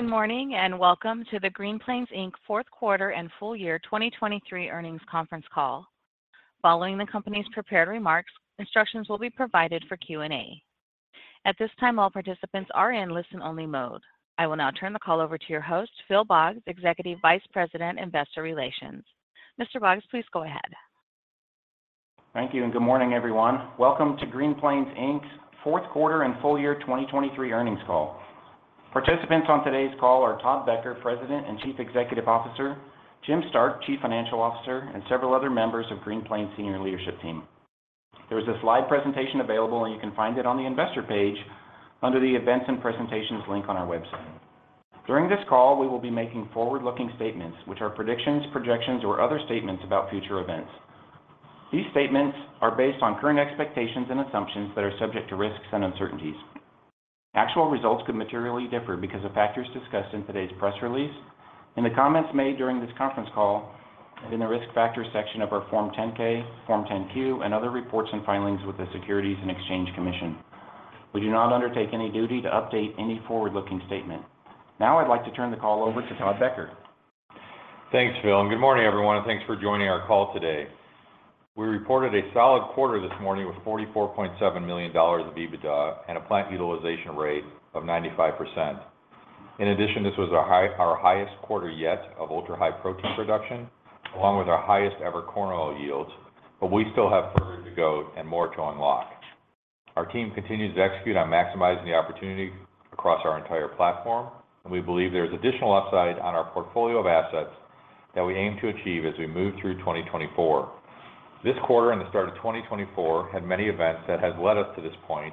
Good morning, and welcome to the Green Plains Inc. Fourth Quarter and Full Year 2023 Earnings Conference Call. Following the company's prepared remarks, instructions will be provided for Q&A. At this time, all participants are in listen-only mode. I will now turn the call over to your host, Phil Boggs, Executive Vice President, Investor Relations. Mr. Boggs, please go ahead. Thank you, and good morning, everyone. Welcome to Green Plains Inc.'s Fourth Quarter and Full Year 2023 Earnings Call. Participants on today's call are Todd Becker, President and Chief Executive Officer, Jim Stark, Chief Financial Officer, and several other members of Green Plains' senior leadership team. There is a slide presentation available, and you can find it on the Investor page under the Events and Presentations link on our website. During this call, we will be making forward-looking statements, which are predictions, projections, or other statements about future events. These statements are based on current expectations and assumptions that are subject to risks and uncertainties. Actual results could materially differ because of factors discussed in today's press release and the comments made during this conference call in the Risk Factors section of our Form 10-K, Form 10-Q, and other reports and filings with the Securities and Exchange Commission. We do not undertake any duty to update any forward-looking statement. Now, I'd like to turn the call over to Todd Becker. Thanks, Phil, and good morning, everyone, and thanks for joining our call today. We reported a solid quarter this morning with $44.7 million of EBITDA and a plant utilization rate of 95%. In addition, this was our highest quarter yet of ultra-high protein production, along with our highest-ever corn oil yields, but we still have further to go and more to unlock. Our team continues to execute on maximizing the opportunity across our entire platform, and we believe there is additional upside on our portfolio of assets that we aim to achieve as we move through 2024. This quarter and the start of 2024 had many events that have led us to this point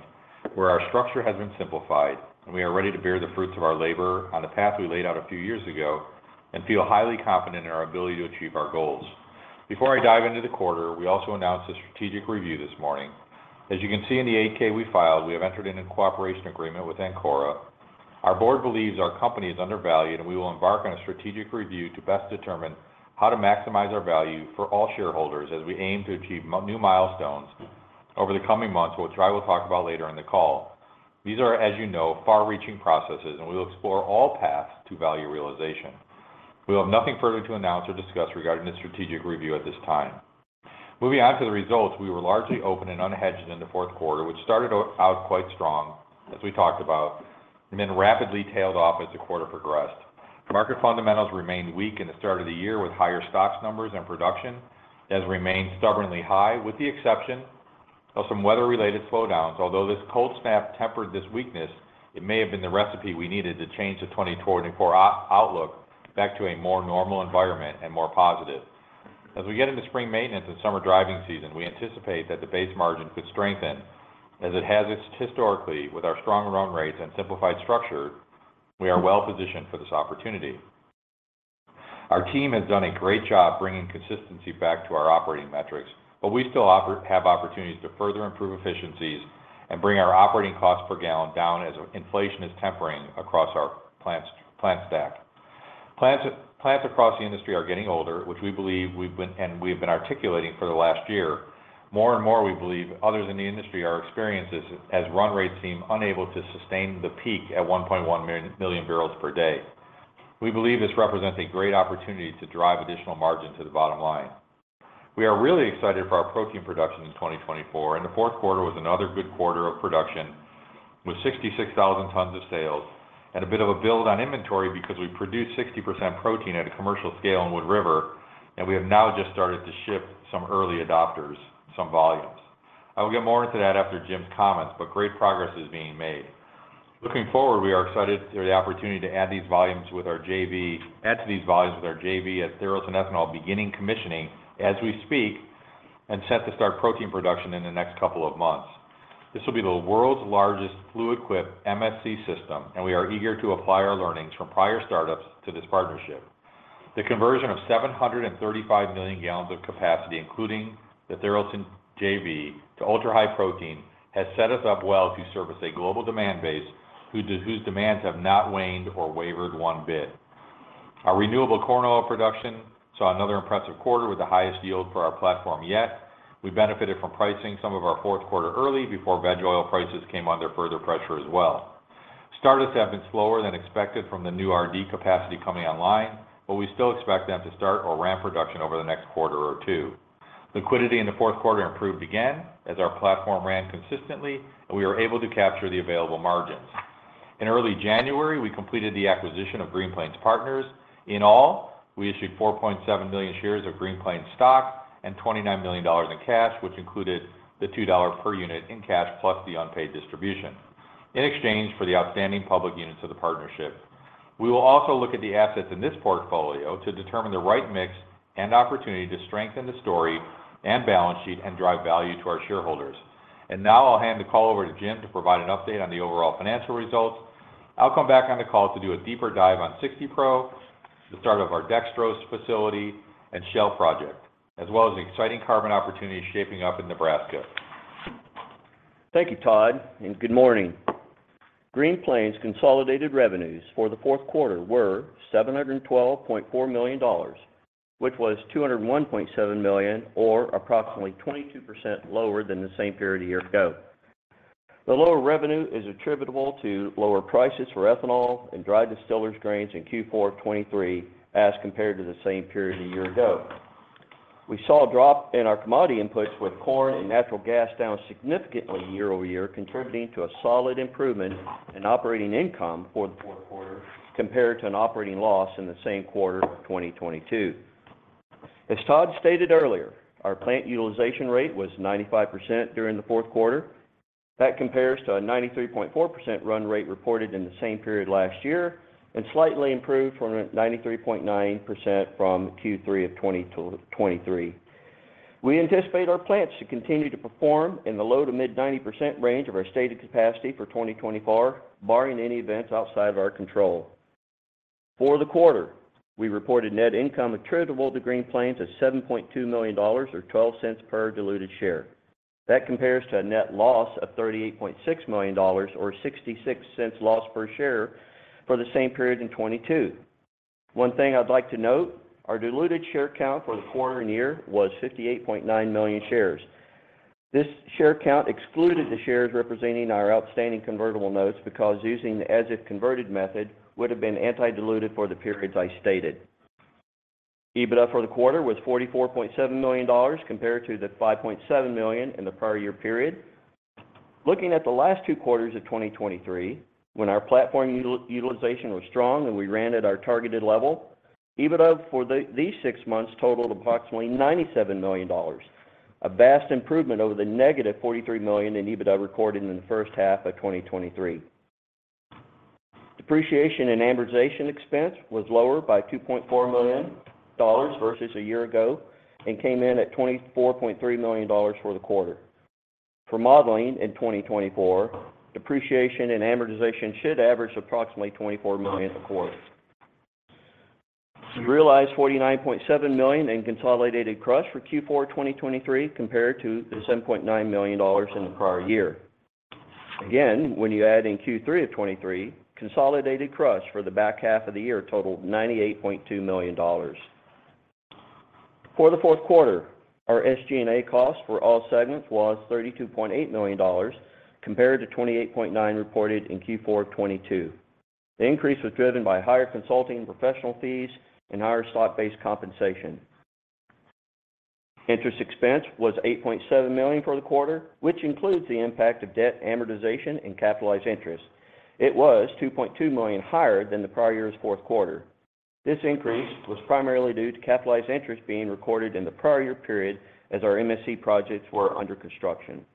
where our structure has been simplified, and we are ready to bear the fruits of our labor on the path we laid out a few years ago and feel highly confident in our ability to achieve our goals. Before I dive into the quarter, we also announced a strategic review this morning. As you can see in the 8-K we filed, we have entered into a cooperation agreement with Ancora. Our board believes our company is undervalued, and we will embark on a strategic review to best determine how to maximize our value for all shareholders as we aim to achieve many new milestones over the coming months, which I will talk about later in the call. These are, as you know, far-reaching processes, and we will explore all paths to value realization. We have nothing further to announce or discuss regarding the strategic review at this time. Moving on to the results, we were largely open and unhedged in the fourth quarter, which started out quite strong, as we talked about, and then rapidly tailed off as the quarter progressed. Market fundamentals remained weak in the start of the year, with higher stocks, numbers and production has remained stubbornly high, with the exception of some weather-related slowdowns. Although this cold snap tempered this weakness, it may have been the recipe we needed to change the 2024 outlook back to a more normal environment and more positive. As we get into spring maintenance and summer driving season, we anticipate that the base margin could strengthen as it has historically. With our strong run rates and simplified structure, we are well positioned for this opportunity. Our team has done a great job bringing consistency back to our operating metrics, but we still have opportunities to further improve efficiencies and bring our operating costs per gallon down as inflation is tempering across our plants. Plants across the industry are getting older, which we believe we've been articulating for the last year. More and more, we believe others in the industry are experiencing as run rates seem unable to sustain the peak at 1.1 million barrels per day. We believe this represents a great opportunity to drive additional margin to the bottom line. We are really excited for our protein production in 2024, and the fourth quarter was another good quarter of production, with 66,000 tons of sales and a bit of a build on inventory because we produced 60% protein at a commercial scale in Wood River, and we have now just started to ship some early adopters some volumes. I will get more into that after Jim's comments, but great progress is being made. Looking forward, we are excited for the opportunity to add to these volumes with our JV at Tharaldson Ethanol, beginning commissioning as we speak and set to start protein production in the next couple of months. This will be the world's largest Fluid Quip-equipped MSC system, and we are eager to apply our learnings from prior startups to this partnership. The conversion of 735 million gallons of capacity, including the Tharaldson JV to ultra-high protein, has set us up well to service a global demand base, whose demands have not waned or wavered one bit. Our renewable corn oil production saw another impressive quarter with the highest yield for our platform yet. We benefited from pricing some of our fourth quarter early before veg oil prices came under further pressure as well. Startups have been slower than expected from the new RD capacity coming online, but we still expect them to start or ramp production over the next quarter or two. Liquidity in the fourth quarter improved again as our platform ran consistently, and we were able to capture the available margins. In early January, we completed the acquisition of Green Plains Partners. In all, we issued 4.7 million shares of Green Plains stock and $29 million in cash, which included the $2 per unit in cash, plus the unpaid distribution in exchange for the outstanding public units of the partnership. We will also look at the assets in this portfolio to determine the right mix and opportunity to strengthen the story and balance sheet and drive value to our shareholders. And now I'll hand the call over to Jim to provide an update on the overall financial results. I'll come back on the call to do a deeper dive on 60 Pro, the start of our dextrose facility and Shell project, as well as the exciting carbon opportunities shaping up in Nebraska. Thank you, Todd, and good morning. Green Plains' consolidated revenues for the fourth quarter were $712.4 million, which was $201.7 million, or approximately 22% lower than the same period a year ago.... The lower revenue is attributable to lower prices for ethanol and dried distillers grains in Q4 of 2023 as compared to the same period a year ago. We saw a drop in our commodity inputs, with corn and natural gas down significantly year over year, contributing to a solid improvement in operating income for the fourth quarter compared to an operating loss in the same quarter of 2022. As Todd stated earlier, our plant utilization rate was 95% during the fourth quarter. That compares to a 93.4% run rate reported in the same period last year, and slightly improved from 93.9% from Q3 of 2023. We anticipate our plants to continue to perform in the low- to mid-90% range of our stated capacity for 2024, barring any events outside of our control. For the quarter, we reported net income attributable to Green Plains of $7.2 million or $0.12 per diluted share. That compares to a net loss of $38.6 million, or $0.66 loss per share for the same period in 2022. One thing I'd like to note, our diluted share count for the quarter and year was 58.9 million shares. This share count excluded the shares representing our outstanding convertible notes, because using the as-if-converted method would have been anti-dilutive for the periods I stated. EBITDA for the quarter was $44.7 million, compared to the $5.7 million in the prior year period. Looking at the last two quarters of 2023, when our platform utilization was strong and we ran at our targeted level, EBITDA for these six months totaled approximately $97 million, a vast improvement over the negative $43 million in EBITDA recorded in the first half of 2023. Depreciation and amortization expense was lower by $2.4 million versus a year ago, and came in at $24.3 million for the quarter. For modeling in 2024, depreciation and amortization should average approximately $24 million a quarter. We realized $49.7 million in Consolidated Crush for Q4 2023, compared to the $7.9 million in the prior year. Again, when you add in Q3 of 2023, Consolidated Crush for the back half of the year totaled $98.2 million. For the fourth quarter, our SG&A costs for all segments was $32.8 million, compared to $28.9 reported in Q4 of 2022. The increase was driven by higher consulting and professional fees and higher stock-based compensation. Interest expense was $8.7 million for the quarter, which includes the impact of debt amortization and capitalized interest. It was $2.2 million higher than the prior year's fourth quarter. This increase was primarily due to capitalized interest being recorded in the prior year period as our MSC projects were under construction.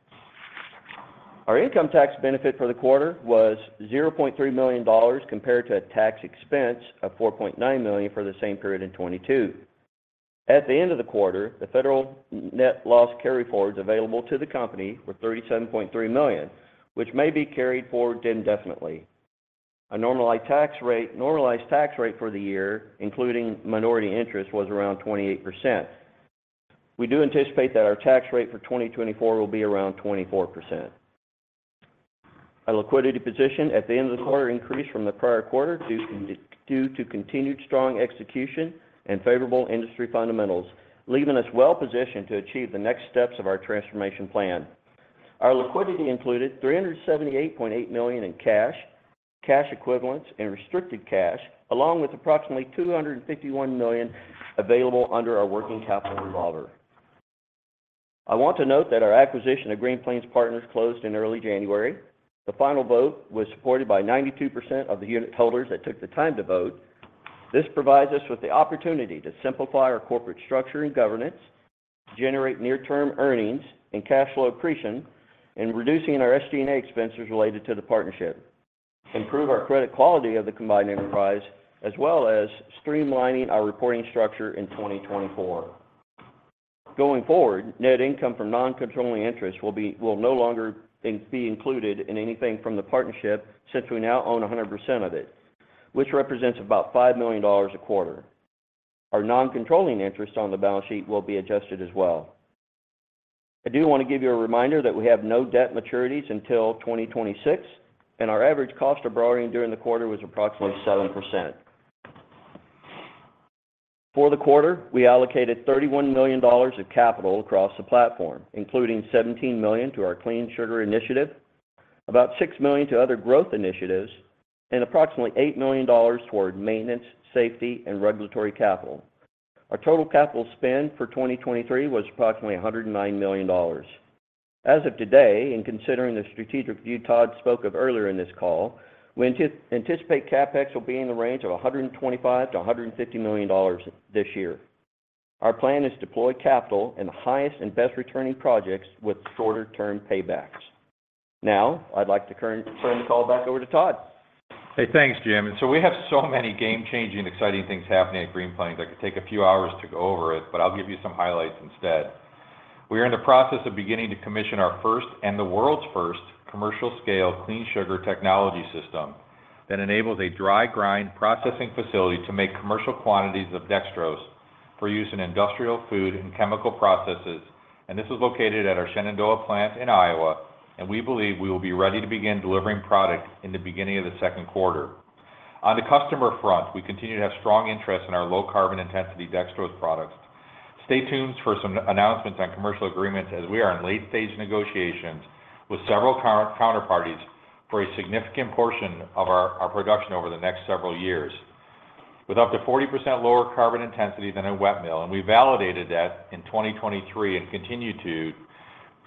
Our income tax benefit for the quarter was $0.3 million, compared to a tax expense of $4.9 million for the same period in 2022. At the end of the quarter, the federal net loss carryforwards available to the company were $37.3 million, which may be carried forward indefinitely. A normalized tax rate, normalized tax rate for the year, including minority interest, was around 28%. We do anticipate that our tax rate for 2024 will be around 24%. Our liquidity position at the end of the quarter increased from the prior quarter due to continued strong execution and favorable industry fundamentals, leaving us well positioned to achieve the next steps of our transformation plan. Our liquidity included $378.8 million in cash, cash equivalents, and restricted cash, along with approximately $251 million available under our working capital revolver. I want to note that our acquisition of Green Plains Partners closed in early January. The final vote was supported by 92% of the unit holders that took the time to vote. This provides us with the opportunity to simplify our corporate structure and governance, generate near-term earnings and cash flow accretion, and reducing our SG&A expenses related to the partnership, improve our credit quality of the combined enterprise, as well as streamlining our reporting structure in 2024. Going forward, net income from non-controlling interests will no longer be included in anything from the partnership, since we now own 100% of it, which represents about $5 million a quarter. Our non-controlling interest on the balance sheet will be adjusted as well. I do want to give you a reminder that we have no debt maturities until 2026, and our average cost of borrowing during the quarter was approximately 7%. For the quarter, we allocated $31 million of capital across the platform, including $17 million to our Clean Sugar initiative, about $6 million to other growth initiatives, and approximately $8 million toward maintenance, safety, and regulatory capital. Our total capital spend for 2023 was approximately $109 million. As of today, in considering the strategic view Todd spoke of earlier in this call, we anticipate CapEx will be in the range of $125 million-$150 million this year. Our plan is to deploy capital in the highest and best returning projects with shorter-term paybacks. Now, I'd like to turn the call back over to Todd. Hey, thanks, Jim. So we have so many game-changing, exciting things happening at Green Plains. I could take a few hours to go over it, but I'll give you some highlights instead. We are in the process of beginning to commission our first, and the world's first, commercial-scale Clean Sugar Technology system that enables a dry grind processing facility to make commercial quantities of dextrose for use in industrial, food, and chemical processes. And this is located at our Shenandoah plant in Iowa, and we believe we will be ready to begin delivering product in the beginning of the second quarter. On the customer front, we continue to have strong interest in our low carbon intensity dextrose products.... Stay tuned for some announcements on commercial agreements as we are in late-stage negotiations with several current counterparties for a significant portion of our production over the next several years, with up to 40% lower carbon intensity than a wet mill. We validated that in 2023 and continue to,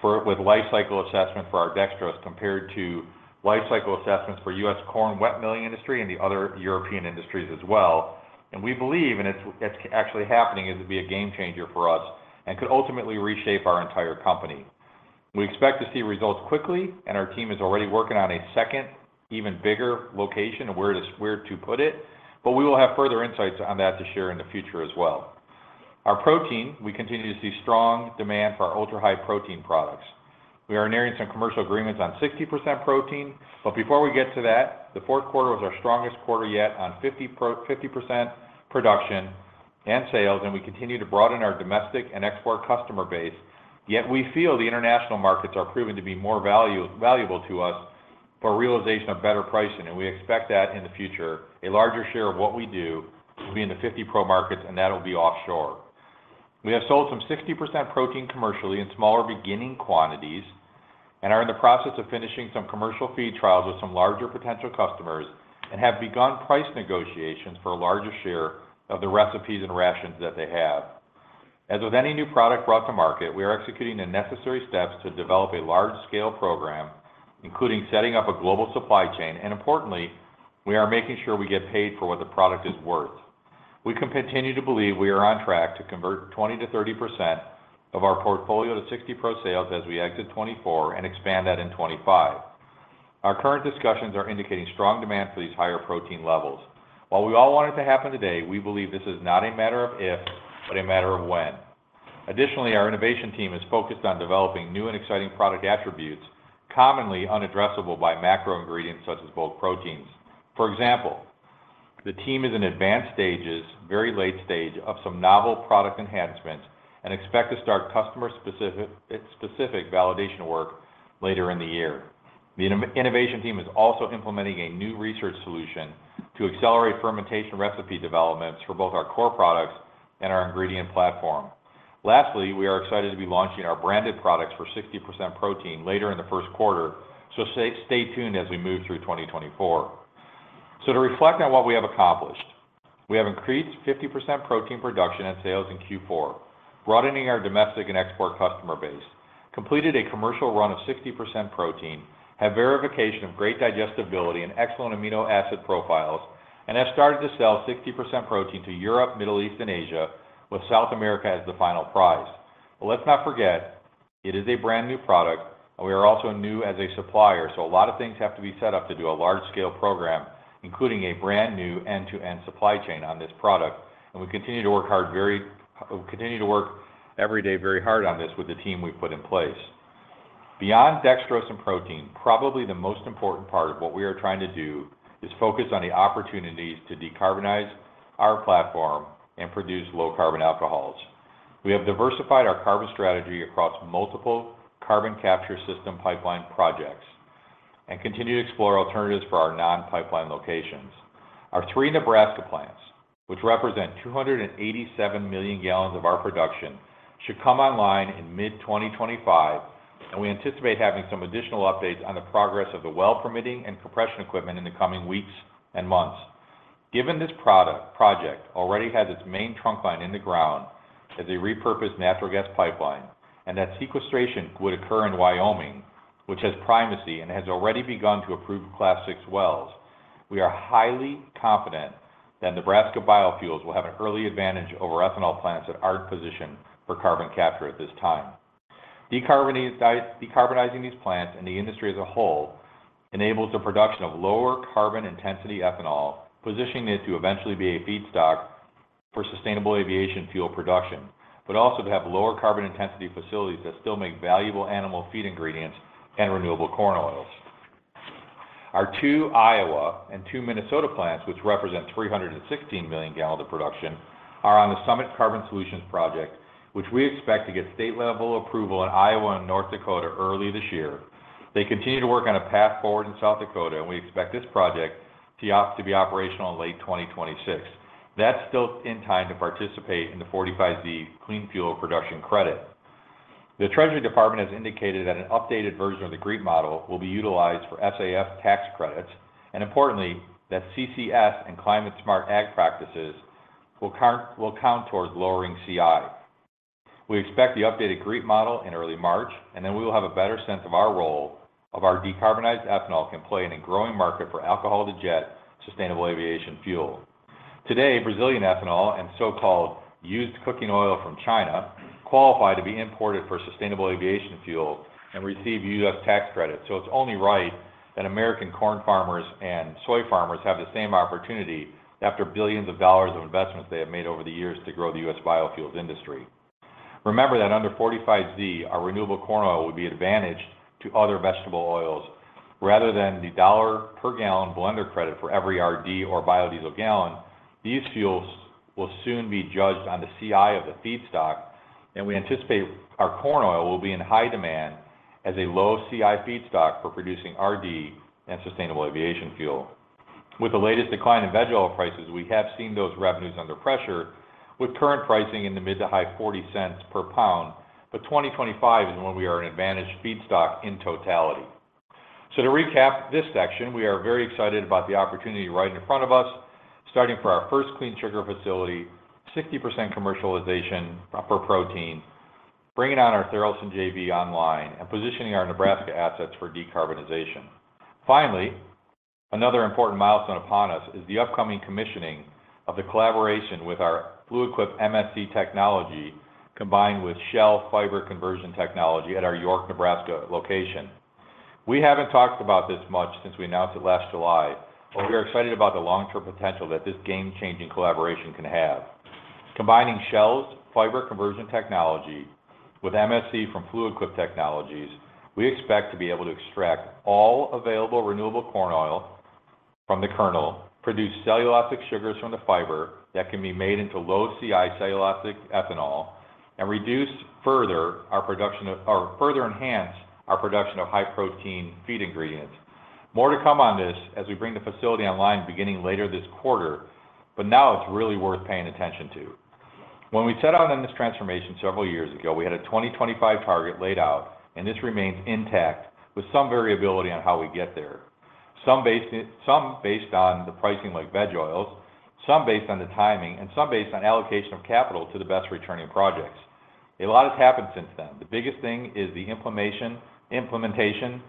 with lifecycle assessment for our dextrose, compared to lifecycle assessments for U.S. corn wet milling industry and the other European industries as well. We believe, and it's actually happening, is to be a game changer for us and could ultimately reshape our entire company. We expect to see results quickly, and our team is already working on a second, even bigger location and where to put it, but we will have further insights on that to share in the future as well. Our protein, we continue to see strong demand for our Ultra-High Protein products. We are nearing some commercial agreements on 60% protein, but before we get to that, the fourth quarter was our strongest quarter yet on 50% production and sales, and we continue to broaden our domestic and export customer base. Yet we feel the international markets are proving to be more valuable to us for realization of better pricing, and we expect that in the future, a larger share of what we do will be in the 50% markets, and that will be offshore. We have sold some 60% protein commercially in smaller beginning quantities and are in the process of finishing some commercial feed trials with some larger potential customers and have begun price negotiations for a larger share of the recipes and rations that they have. As with any new product brought to market, we are executing the necessary steps to develop a large-scale program, including setting up a global supply chain, and importantly, we are making sure we get paid for what the product is worth. We can continue to believe we are on track to convert 20%-30% of our portfolio to 60-Pro sales as we exit 2024 and expand that in 2025. Our current discussions are indicating strong demand for these higher protein levels. While we all want it to happen today, we believe this is not a matter of if, but a matter of when. Additionally, our innovation team is focused on developing new and exciting product attributes, commonly unaddressable by macro ingredients such as bulk proteins. For example, the team is in advanced stages, very late stage, of some novel product enhancements and expect to start customer specific validation work later in the year. The innovation team is also implementing a new research solution to accelerate fermentation recipe developments for both our core products and our ingredient platform. Lastly, we are excited to be launching our branded products for 60% protein later in the first quarter, so stay tuned as we move through 2024. So to reflect on what we have accomplished, we have increased 50% protein production and sales in Q4, broadening our domestic and export customer base, completed a commercial run of 60% protein, have verification of great digestibility and excellent amino acid profiles, and have started to sell 60% protein to Europe, Middle East, and Asia, with South America as the final prize. But let's not forget, it is a brand-new product, and we are also new as a supplier, so a lot of things have to be set up to do a large-scale program, including a brand-new end-to-end supply chain on this product, and we continue to work hard, we continue to work every day very hard on this with the team we've put in place. Beyond dextrose and protein, probably the most important part of what we are trying to do is focus on the opportunities to decarbonize our platform and produce low-carbon alcohols. We have diversified our carbon strategy across multiple carbon capture system pipeline projects and continue to explore alternatives for our non-pipeline locations. Our three Nebraska plants, which represent 287 million gallons of our production, should come online in mid-2025, and we anticipate having some additional updates on the progress of the well permitting and compression equipment in the coming weeks and months. Given this project already has its main trunk line in the ground as a repurposed natural gas pipeline, and that sequestration would occur in Wyoming, which has primacy and has already begun to approve Class VIwells, we are highly confident that Nebraska biofuels will have an early advantage over ethanol plants that aren't positioned for carbon capture at this time. Decarbonizing, decarbonizing these plants and the industry as a whole enables the production of lower carbon intensity ethanol, positioning it to eventually be a feedstock for sustainable aviation fuel production, but also to have lower carbon intensity facilities that still make valuable animal feed ingredients and renewable corn oils. Our two Iowa and two Minnesota plants, which represent 316 million gallons of production, are on the Summit Carbon Solutions project, which we expect to get state-level approval in Iowa and North Dakota early this year. They continue to work on a path forward in South Dakota, and we expect this project to be operational in late 2026. That's still in time to participate in the 45Z clean fuel production credit. The Treasury Department has indicated that an updated version of the GREET model will be utilized for SAF tax credits, and importantly, that CCS and climate-smart ag practices will count towards lowering CI. We expect the updated GREET model in early March, and then we will have a better sense of our role of our decarbonized ethanol can play in a growing market for alcohol-to-jet sustainable aviation fuel. Today, Brazilian ethanol and so-called used cooking oil from China qualify to be imported for sustainable aviation fuel and receive U.S. tax credits. So it's only right that American corn farmers and soy farmers have the same opportunity after billions of dollars of investments they have made over the years to grow the U.S. biofuels industry. Remember that under 45Z, our renewable corn oil would be advantaged to other vegetable oils, rather than the $1 per gallon blender credit for every RD or biodiesel gallon. These fuels will soon be judged on the CI of the feedstock, and we anticipate our corn oil will be in high demand as a low CI feedstock for producing RD and sustainable aviation fuel. With the latest decline in veg oil prices, we have seen those revenues under pressure with current pricing in the mid- to high-$0.40 per pound. But 2025 is when we are an advantaged feedstock in totality. So to recap this section, we are very excited about the opportunity right in front of us, starting for our first Clean Sugar facility, 60% commercialization for protein, bringing on our Tharaldson JV online, and positioning our Nebraska assets for decarbonization. Finally, another important milestone upon us is the upcoming commissioning of the collaboration with our Fluid Quip MSC technology, combined with Shell Fiber Conversion Technology at our York, Nebraska location. We haven't talked about this much since we announced it last July, but we are excited about the long-term potential that this game-changing collaboration can have. Combining Shell's fiber conversion technology with MSC from Fluid Quip Technologies, we expect to be able to extract all available renewable corn oil from the kernel, produce cellulosic sugars from the fiber that can be made into low CI cellulosic ethanol, and reduce further our production of or further enhance our production of high-protein feed ingredients. More to come on this as we bring the facility online beginning later this quarter, but now it's really worth paying attention to. When we set out on this transformation several years ago, we had a 2025 target laid out, and this remains intact with some variability on how we get there. Some based, some based on the pricing like veg oils, some based on the timing, and some based on allocation of capital to the best returning projects. A lot has happened since then. The biggest thing is the implementation, implementation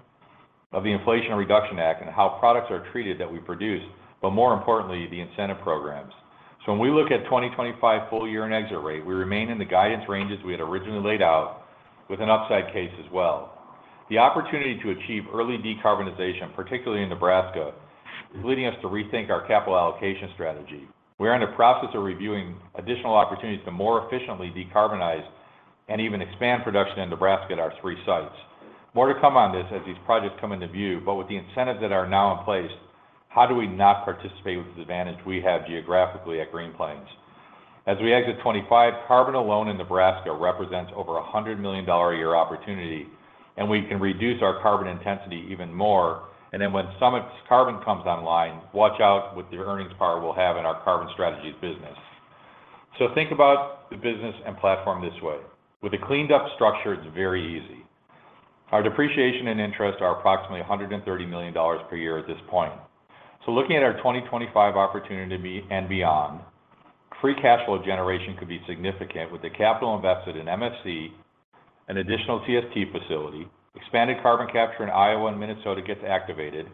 of the Inflation Reduction Act and how products are treated that we produce, but more importantly, the incentive programs. So when we look at 2025 full year and exit rate, we remain in the guidance ranges we had originally laid out with an upside case as well. The opportunity to achieve early decarbonization, particularly in Nebraska, is leading us to rethink our capital allocation strategy. We are in the process of reviewing additional opportunities to more efficiently decarbonize and even expand production in Nebraska at our three sites. More to come on this as these projects come into view, but with the incentives that are now in place, how do we not participate with the advantage we have geographically at Green Plains? As we exit 2025, carbon alone in Nebraska represents over $100 million a year opportunity, and we can reduce our carbon intensity even more. And then when Summit's carbon comes online, watch out with the earnings power we'll have in our carbon strategies business. So think about the business and platform this way. With a cleaned up structure, it's very easy. Our depreciation and interest are approximately $130 million per year at this point. So looking at our 2025 opportunity and beyond, free cash flow generation could be significant with the capital invested in MSC, an additional CST facility, expanded carbon capture in Iowa and Minnesota gets activated,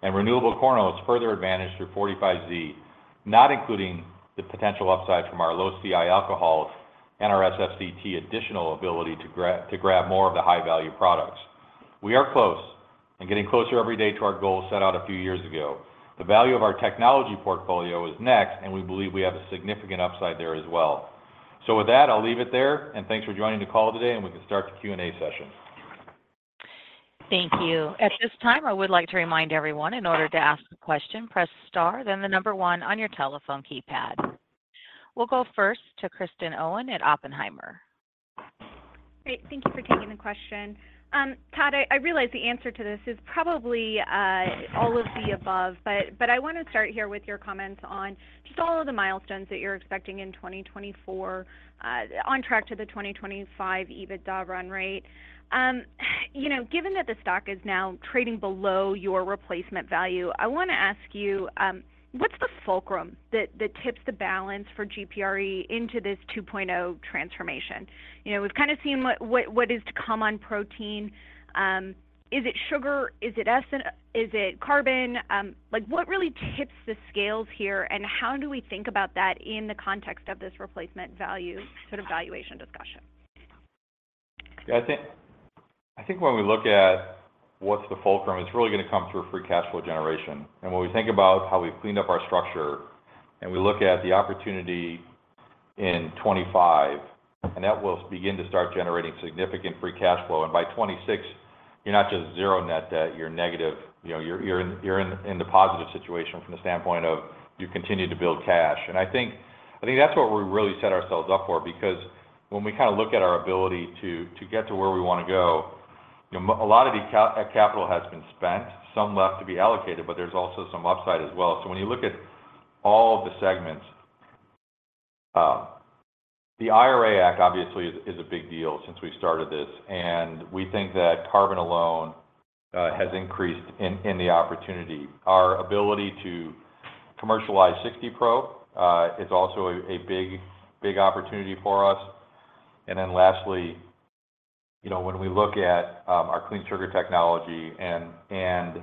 and renewable corn oils further advantaged through 45Z, not including the potential upside from our low CI alcohols and our SFCT additional ability to grab more of the high-value products. We are close, and getting closer every day to our goal set out a few years ago. The value of our technology portfolio is next, and we believe we have a significant upside there as well. So with that, I'll leave it there, and thanks for joining the call today, and we can start the Q&A session. Thank you. At this time, I would like to remind everyone, in order to ask a question, press Star, then one on your telephone keypad. We'll go first to Kristen Owen at Oppenheimer. Great. Thank you for taking the question. Todd, I realize the answer to this is probably all of the above, but I want to start here with your comments on just all of the milestones that you're expecting in 2024, on track to the 2025 EBITDA run rate. You know, given that the stock is now trading below your replacement value, I want to ask you, what's the fulcrum that tips the balance for GPRE into this 2.0 transformation? You know, we've kind of seen what is to come on protein. Is it sugar? Is it ethanol? Is it carbon? Like, what really tips the scales here, and how do we think about that in the context of this replacement value sort of valuation discussion? I think, I think when we look at what's the fulcrum, it's really going to come through a free cash flow generation. When we think about how we've cleaned up our structure and we look at the opportunity in 2025, and that will begin to start generating significant free cash flow, and by 2026, you're not just zero net debt, you're negative. You know, you're, you're in, you're in the, in the positive situation from the standpoint of you continue to build cash. And I think, I think that's what we really set ourselves up for, because when we kind of look at our ability to, to get to where we want to go, a lot of the ca-- that capital has been spent, some left to be allocated, but there's also some upside as well. So when you look at all of the segments, the IRA Act obviously is a big deal since we started this, and we think that carbon alone has increased in the opportunity. Our ability to commercialize 60-Pro is also a big, big opportunity for us. And then lastly, you know, when we look at our Clean Sugar Technology and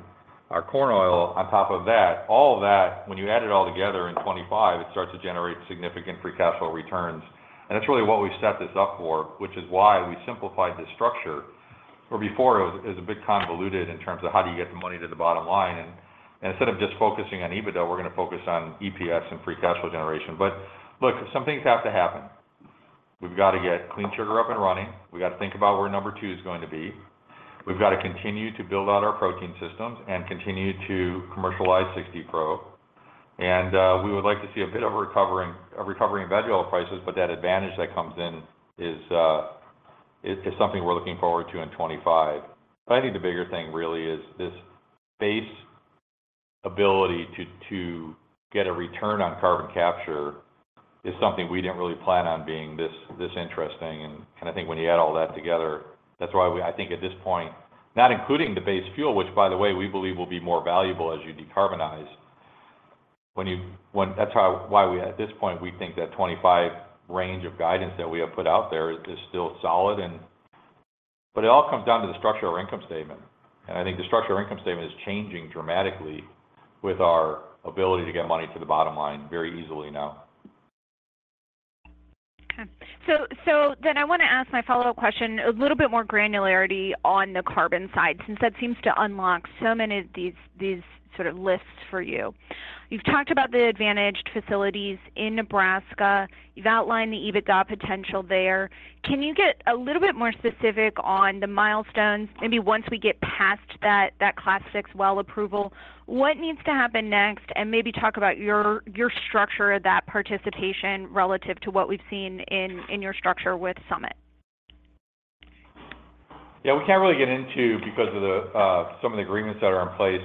our corn oil on top of that, all of that, when you add it all together in 2025, it starts to generate significant free cash flow returns. And that's really what we set this up for, which is why we simplified this structure. Where before it was a bit convoluted in terms of how do you get the money to the bottom line? And instead of just focusing on EBITDA, we're going to focus on EPS and free cash flow generation. But look, some things have to happen. We've got to get Clean Sugar up and running. We've got to think about where number two is going to be. We've got to continue to build out our protein systems and continue to commercialize 60 Pro. And, we would like to see a recovery in veg oil prices, but that advantage that comes in is. It's something we're looking forward to in 2025. But I think the bigger thing really is this basic ability to get a return on carbon capture is something we didn't really plan on being this interesting. And I think when you add all that together, that's why we—I think at this point, not including the base fuel, which by the way, we believe will be more valuable as you decarbonize. When you—when—That's why we at this point, we think that 25 range of guidance that we have put out there is still solid and... But it all comes down to the structure of our income statement. And I think the structure of income statement is changing dramatically with our ability to get money to the bottom line very easily now. Okay. So, so then I want to ask my follow-up question a little bit more granularity on the carbon side, since that seems to unlock so many of these, these sort of lists for you. You've talked about the advantaged facilities in Nebraska. You've outlined the EBITDA potential there. Can you get a little bit more specific on the milestones? Maybe once we get past that Class Six well approval, what needs to happen next? And maybe talk about your, your structure of that participation relative to what we've seen in, in your structure with Summit. Yeah, we can't really get into because of some of the agreements that are in place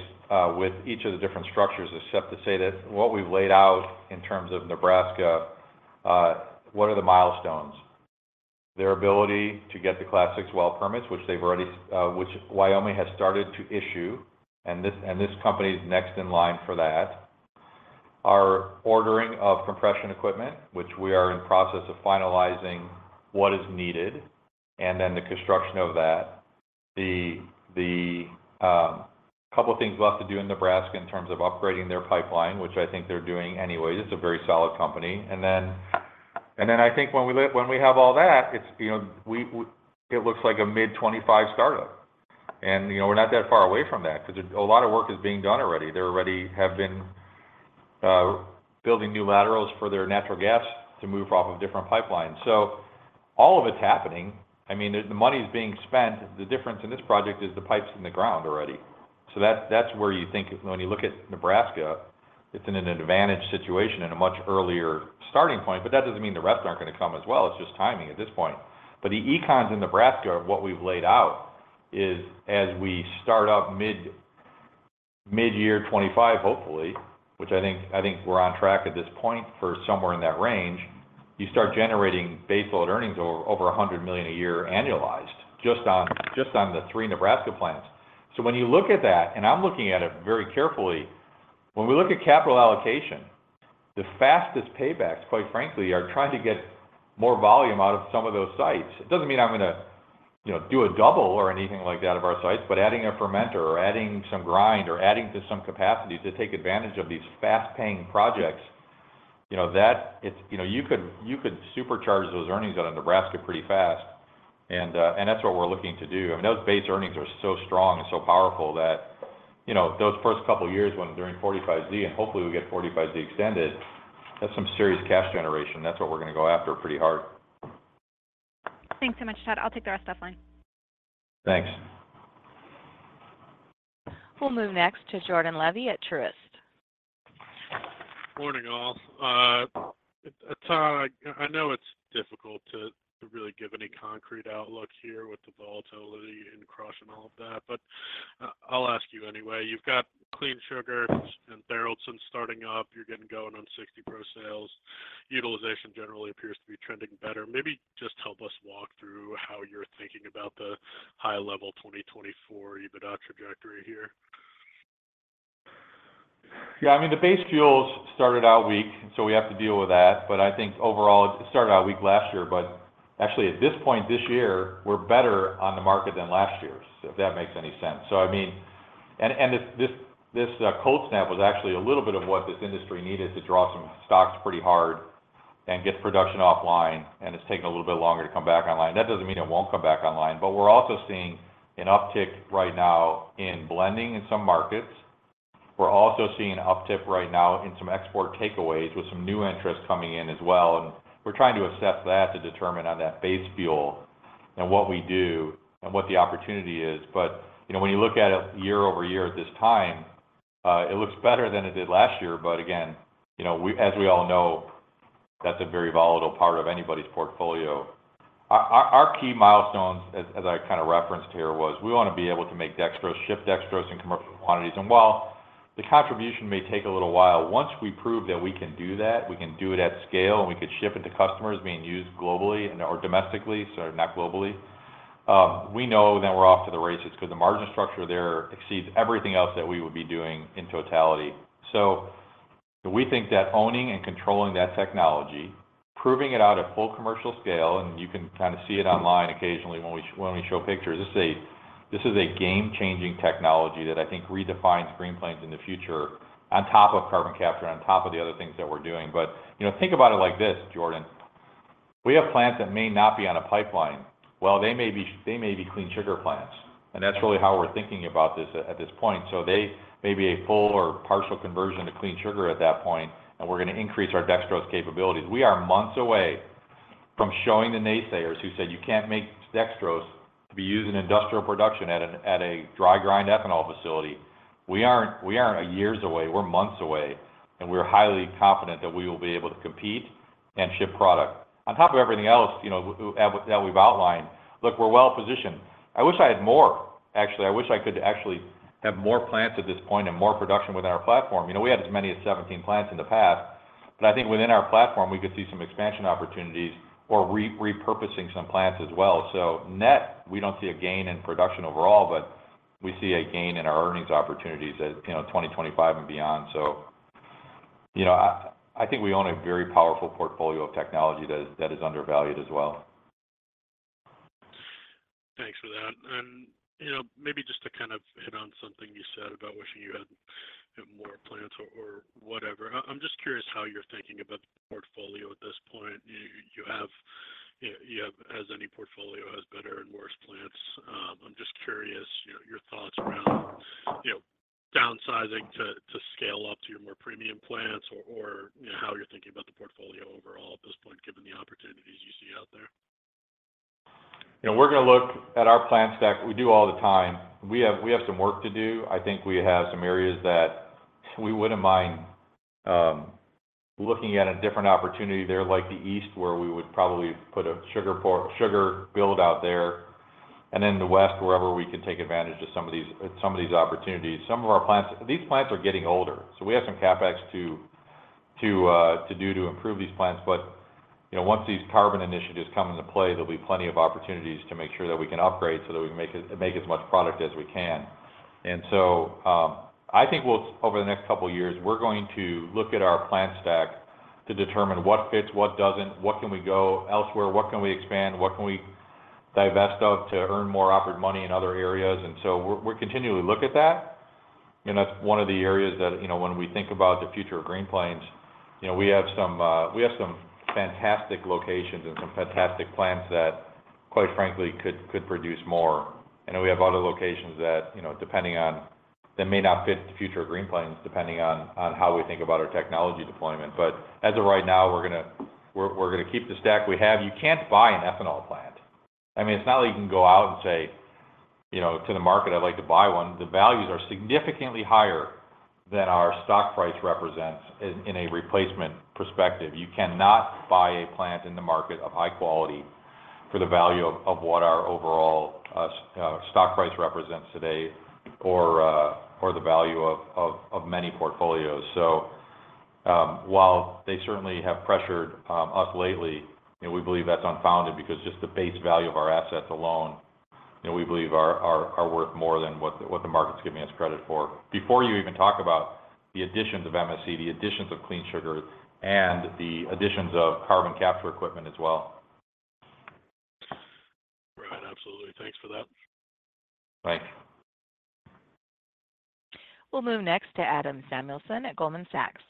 with each of the different structures, except to say that what we've laid out in terms of Nebraska, what are the milestones? Their ability to get the Class Six well permits, which they've already—which Wyoming has started to issue, and this company is next in line for that. Our ordering of compression equipment, which we are in process of finalizing what is needed, and then the construction of that. The couple of things left to do in Nebraska in terms of upgrading their pipeline, which I think they're doing anyways. It's a very solid company. And then I think when we have all that, it's, you know, it looks like a mid-2025 startup. You know, we're not that far away from that, 'cause a lot of work is being done already. They already have been building new laterals for their natural gas to move off of different pipelines. So all of it's happening. I mean, the money is being spent. The difference in this project is the pipes in the ground already. So that's, that's where you think when you look at Nebraska, it's in an advantaged situation in a much earlier starting point, but that doesn't mean the rest aren't going to come as well. It's just timing at this point. But the economics in Nebraska, what we've laid out is as we start up mid-year 2025, hopefully, which I think we're on track at this point for somewhere in that range, you start generating base load earnings over $100 million a year annualized, just on the three Nebraska plants. So when you look at that, and I'm looking at it very carefully, when we look at capital allocation, the fastest paybacks, quite frankly, are trying to get more volume out of some of those sites. It doesn't mean I'm gonna, you know, do a double or anything like that of our sites, but adding a fermenter, or adding some grind, or adding to some capacity to take advantage of these fast-paying projects, you know, that it's, you know, you could supercharge those earnings out of Nebraska pretty fast, and that's what we're looking to do. I mean, those base earnings are so strong and so powerful that, you know, those first couple of years when they're in 45Z, and hopefully we get 45Z extended, that's some serious cash generation. That's what we're going to go after pretty hard. Thanks so much, Todd. I'll take the rest offline. Thanks. We'll move next to Jordan Levy at Truist. Morning, all. Todd, I know it's difficult to really give any concrete outlook here with the volatility and crush and all of that, but I'll ask you anyway. You've got Clean Sugar and Tharaldson starting up. You're getting going on 60 Pro sales. Utilization generally appears to be trending better. Maybe just help us walk through how you're thinking about the high-level 2024 EBITDA trajectory here. Yeah, I mean, the base fuels started out weak, so we have to deal with that. But I think overall, it started out weak last year, but actually at this point, this year, we're better on the market than last year's, if that makes any sense. So I mean, and this cold snap was actually a little bit of what this industry needed to draw some stocks pretty hard and get production offline, and it's taking a little bit longer to come back online. That doesn't mean it won't come back online, but we're also seeing an uptick right now in blending in some markets. We're also seeing an uptick right now in some export takeaways with some new interest coming in as well, and we're trying to assess that to determine on that base fuel and what we do and what the opportunity is. But, you know, when you look at it year-over-year at this time, it looks better than it did last year. But again, you know, we, as we all know, that's a very volatile part of anybody's portfolio. Our key milestones, as I kind of referenced here, was we want to be able to make dextrose, ship dextrose in commercial quantities. And while the contribution may take a little while, once we prove that we can do that, we can do it at scale, and we could ship it to customers being used globally and or domestically, so not globally, we know then we're off to the races because the margin structure there exceeds everything else that we would be doing in totality. So we think that owning and controlling that technology, proving it out at full commercial scale, and you can kind of see it online occasionally when we show pictures. This is a, this is a game-changing technology that I think redefines Green Plains plants in the future on top of carbon capture, on top of the other things that we're doing. But, you know, think about it like this, Jordan: We have plants that may not be on a pipeline. Well, they may be, they may be Clean Sugar plants, and that's really how we're thinking about this at this point. So they may be a full or partial conversion to Clean Sugar at that point, and we're going to increase our dextrose capabilities. We are months away from showing the naysayers who said, "You can't make dextrose to be used in industrial production at a dry grind ethanol facility." We aren't years away, we're months away, and we're highly confident that we will be able to compete and ship product. On top of everything else, you know, that we've outlined, look, we're well positioned. I wish I had more, actually, I wish I could actually have more plants at this point and more production within our platform. You know, we had as many as 17 plants in the past, but I think within our platform, we could see some expansion opportunities or repurposing some plants as well. So net, we don't see a gain in production overall, but we see a gain in our earnings opportunities at, you know, 2025 and beyond. So, you know, I think we own a very powerful portfolio of technology that is undervalued as well. Thanks for that. You know, maybe just to kind of hit on something you said about wishing you had more plants or whatever. I'm just curious how you're thinking about the portfolio at this point. You have, you know, as any portfolio has better and worse plants. I'm just curious, you know, your thoughts around, you know, downsizing to scale up to your more premium plants or you know, how you're thinking about the portfolio overall at this point, given the opportunities you see out there. You know, we're gonna look at our plant stack. We do all the time. We have some work to do. I think we have some areas that we wouldn't mind looking at a different opportunity there, like the East, where we would probably put a sugar build out there, and then the West, wherever we can take advantage of some of these opportunities. Some of our plants. These plants are getting older, so we have some CapEx to do to improve these plants. But you know, once these carbon initiatives come into play, there'll be plenty of opportunities to make sure that we can upgrade, so that we can make as much product as we can. And so, I think we'll over the next couple of years, we're going to look at our plant stack to determine what fits, what doesn't, what can we go elsewhere, what can we expand, what can we divest out to earn more operate money in other areas? And so we're continually look at that, and that's one of the areas that, you know, when we think about the future of Green Plains, you know, we have some fantastic locations and some fantastic plants that, quite frankly, could produce more. I know we have other locations that, you know, depending on... That may not fit the future of Green Plains, depending on how we think about our technology deployment. But as of right now, we're gonna keep the stack we have. You can't buy an ethanol plant. I mean, it's not like you can go out and say, you know, to the market, "I'd like to buy one." The values are significantly higher than our stock price represents in a replacement perspective. You cannot buy a plant in the market of high quality for the value of what our overall stock price represents today or the value of many portfolios. So, while they certainly have pressured us lately, and we believe that's unfounded, because just the base value of our assets alone, you know, we believe are worth more than what the market's giving us credit for. Before you even talk about the additions of MSC, the additions of Clean Sugar, and the additions of carbon capture equipment as well. Right. Absolutely. Thanks for that. Bye. We'll move next to Adam Samuelson at Goldman Sachs.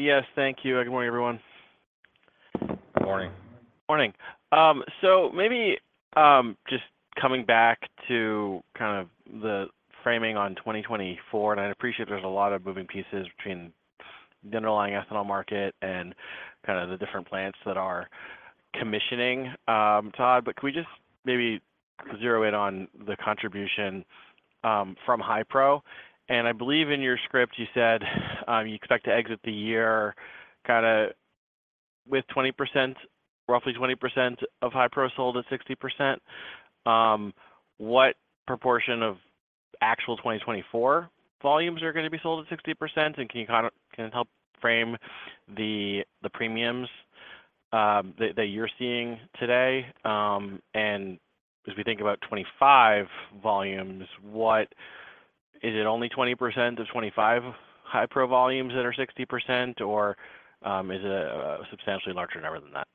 Yes, thank you. Good morning, everyone. Good morning. Morning. So maybe, just coming back to kind of the framing on 2024, and I appreciate there's a lot of moving pieces between the underlying ethanol market and kind of the different plants that are commissioning, Todd, but can we just maybe zero in on the contribution from Hi-Pro? And I believe in your script, you said, you expect to exit the year kind of with 20%-- roughly 20% of Hi-Pro sold at 60%. What proportion of actual 2024 volumes are gonna be sold at 60%? And can you kind of-- can you help frame the premiums that you're seeing today? And as we think about 2025 volumes, what- is it only 20%-25% Hi-Pro volumes that are 60%, or is it a substantially larger number than that?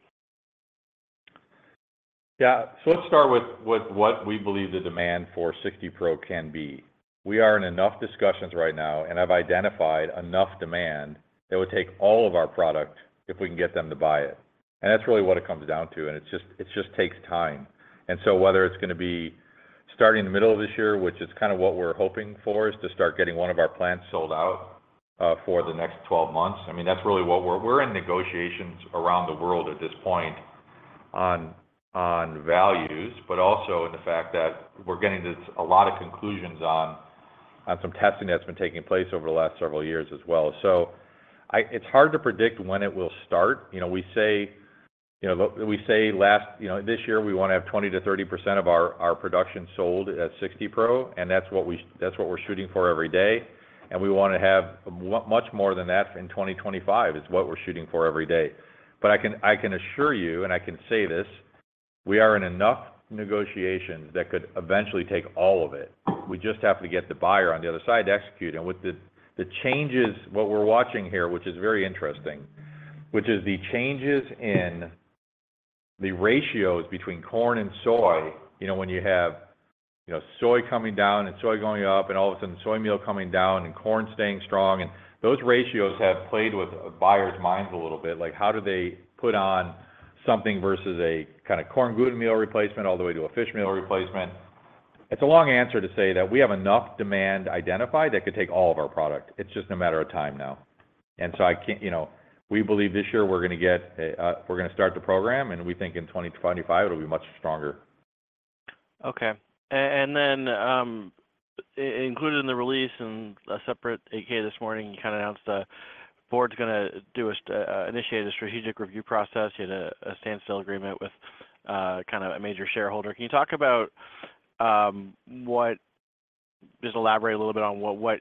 Yeah. So let's start with what we believe the demand for 60 Pro can be. We are in enough discussions right now, and have identified enough demand that would take all of our product if we can get them to buy it. And that's really what it comes down to, and it's just, it just takes time. And so whether it's gonna be starting in the middle of this year, which is kind of what we're hoping for, is to start getting one of our plants sold out for the next 12 months. I mean, that's really what we're. We're in negotiations around the world at this point on values, but also in the fact that we're getting to a lot of conclusions on some testing that's been taking place over the last several years as well. So it's hard to predict when it will start. You know, this year, we wanna have 20%-30% of our production sold at 60 Pro, and that's what we're shooting for every day, and we wanna have much more than that in 2025, is what we're shooting for every day. But I can assure you, and I can say this, we are in enough negotiations that could eventually take all of it. We just have to get the buyer on the other side to execute. And with the changes, what we're watching here, which is very interesting, which is the changes in the ratios between corn and soy. You know, when you have, you know, soy coming down and soy going up, and all of a sudden, soy meal coming down and corn staying strong, and those ratios have played with buyers' minds a little bit. Like, how do they put on something versus a kind of corn gluten meal replacement all the way to a fish meal replacement? It's a long answer to say that we have enough demand identified that could take all of our product. It's just a matter of time now... and so I can't, you know, we believe this year we're gonna get, we're gonna start the program, and we think in 2025 it'll be much stronger. Okay. And then, included in the release in a separate 8-K this morning, you kind of announced the board's gonna initiate a strategic review process. You had a standstill agreement with kind of a major shareholder. Can you talk about what just elaborate a little bit on what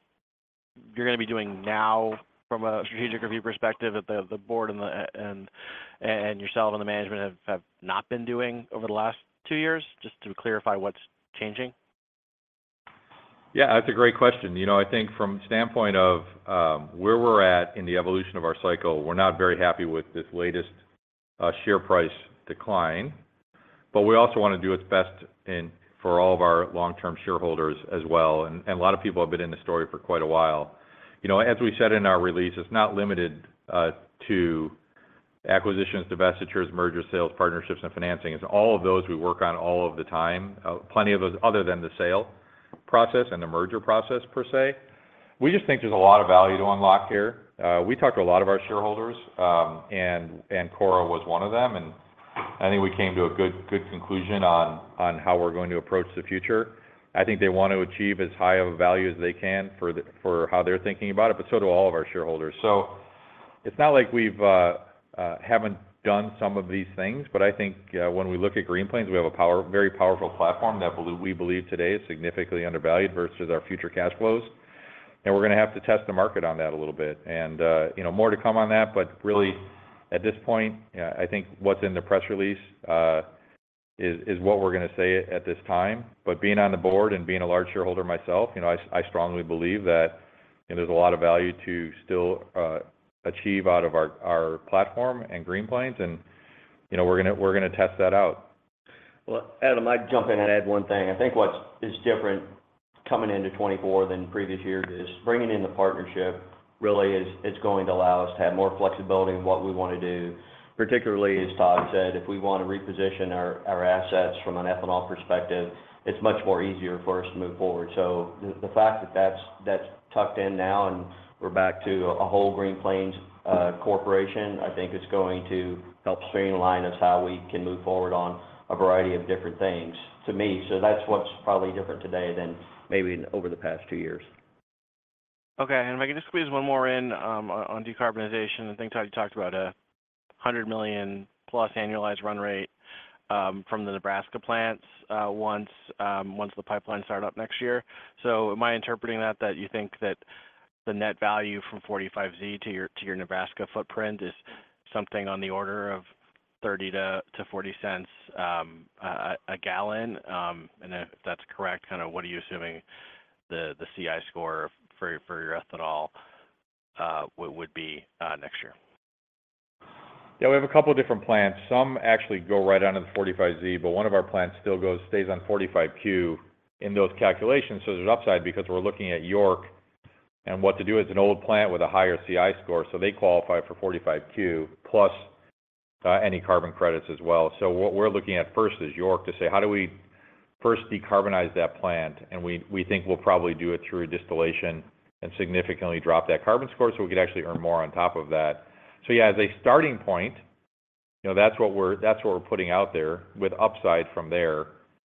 you're gonna be doing now from a strategic review perspective at the board and yourself and the management have not been doing over the last two years, just to clarify what's changing? Yeah, that's a great question. You know, I think from the standpoint of where we're at in the evolution of our cycle, we're not very happy with this latest share price decline, but we also want to do what's best for all of our long-term shareholders as well, and a lot of people have been in the story for quite a while. You know, as we said in our release, it's not limited to acquisitions, divestitures, merger, sales, partnerships, and financing. It's all of those we work on all of the time, plenty of those other than the sale process and the merger process per se. We just think there's a lot of value to unlock here. We talk to a lot of our shareholders, and Ancora was one of them, and I think we came to a good, good conclusion on how we're going to approach the future. I think they want to achieve as high of a value as they can for how they're thinking about it, but so do all of our shareholders. So it's not like we haven't done some of these things, but I think, when we look at Green Plains, we have a very powerful platform that we believe today is significantly undervalued versus our future cash flows, and we're gonna have to test the market on that a little bit. You know, more to come on that, but really, at this point, I think what's in the press release is what we're gonna say at this time. Being on the board and being a large shareholder myself, you know, I strongly believe that there's a lot of value to still achieve out of our platform and Green Plains, and, you know, we're gonna test that out. Well, Adam, I'd jump in and add one thing. I think what is different coming into 2024 than previous years is bringing in the partnership it's going to allow us to have more flexibility in what we want to do. Particularly, as Todd said, if we want to reposition our assets from an ethanol perspective, it's much more easier for us to move forward. So the fact that that's tucked in now and we're back to a whole Green Plains corporation, I think it's going to help streamline us how we can move forward on a variety of different things, to me. So that's what's probably different today than maybe over the past two years. Okay, and if I can just squeeze one more in, on decarbonization. I think, Todd, you talked about $100 million+ annualized run rate, from the Nebraska plants, once, once the pipeline start up next year. So am I interpreting that, that you think that the net value from 45Z to your, to your Nebraska footprint is something on the order of $0.30-$0.40 a gallon? And then if that's correct, kinda what are you assuming the, the CI score for, for your ethanol, would, would be, next year? Yeah, we have a couple of different plants. Some actually go right onto the 45Z, but one of our plants still goes, stays on 45Q in those calculations. So there's upside because we're looking at York and what to do as an old plant with a higher CI score, so they qualify for 45Q, plus any carbon credits as well. So what we're looking at first is York, to say, "How do we first decarbonize that plant?" And we think we'll probably do it through a distillation and significantly drop that carbon score, so we could actually earn more on top of that. So yeah, as a starting point, you know, that's what we're putting out there with upside from there.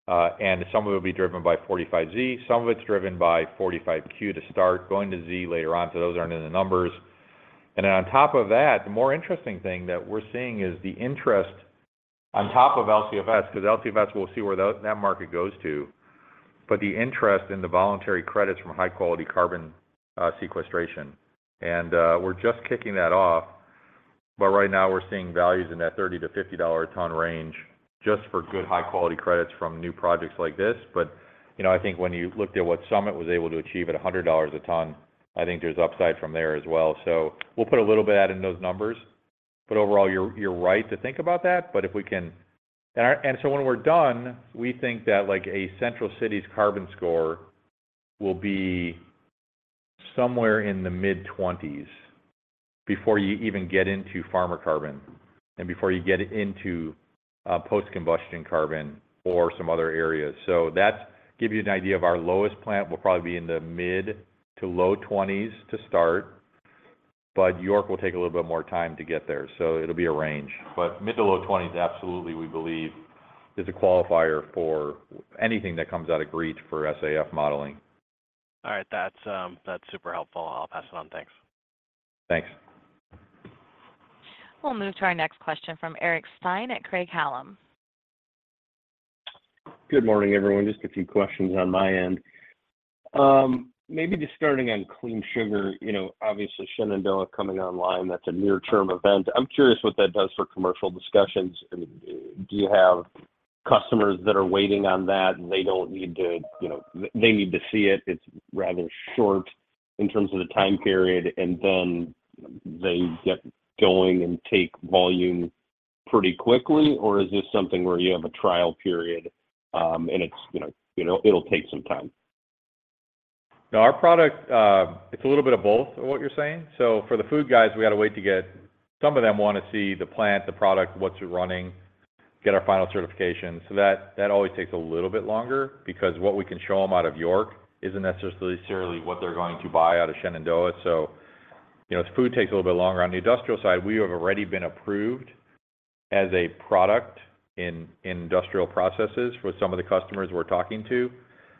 And some of it will be driven by 45Z, some of it's driven by 45Q to start, going to Z later on. So those aren't in the numbers. And then on top of that, the more interesting thing that we're seeing is the interest on top of LCFS, because LCFS, we'll see where that, that market goes to, but the interest in the voluntary credits from high-quality carbon sequestration, and we're just kicking that off. But right now, we're seeing values in that $30-$50/ton range, just for good, high-quality credits from new projects like this. But, you know, I think when you looked at what Summit was able to achieve at a $100/ton, I think there's upside from there as well. So we'll put a little bit of that in those numbers. But overall, you're right to think about that, but if we can... And so when we're done, we think that, like, Central City's carbon score will be somewhere in the mid-20s before you even get into farmer carbon and before you get into post-combustion carbon or some other areas. So that give you an idea of our lowest plant will probably be in the mid- to low 20s to start, but York will take a little bit more time to get there, so it'll be a range. But mid- to low 20s, absolutely, we believe, is a qualifier for anything that comes out of reach for SAF modeling. All right. That's, that's super helpful. I'll pass it on. Thanks. Thanks. We'll move to our next question from Eric Stine at Craig-Hallum. Good morning, everyone. Just a few questions on my end. Maybe just starting on Clean Sugar. You know, obviously, Shenandoah coming online, that's a near-term event. I'm curious what that does for commercial discussions. I mean, do you have customers that are waiting on that, and they don't need to, you know, they need to see it, it's rather short in terms of the time period, and then they get going and take volume pretty quickly? Or is this something where you have a trial period, and it's, you know, it'll take some time? No, our product, it's a little bit of both of what you're saying. So for the food guys, we got to wait to get some of them want to see the plant, the product, what's running, get our final certification. So that, that always takes a little bit longer because what we can show them out of York isn't necessarily, necessarily what they're going to buy out of Shenandoah. So, you know, the food takes a little bit longer. On the industrial side, we have already been approved as a product in industrial processes with some of the customers we're talking to,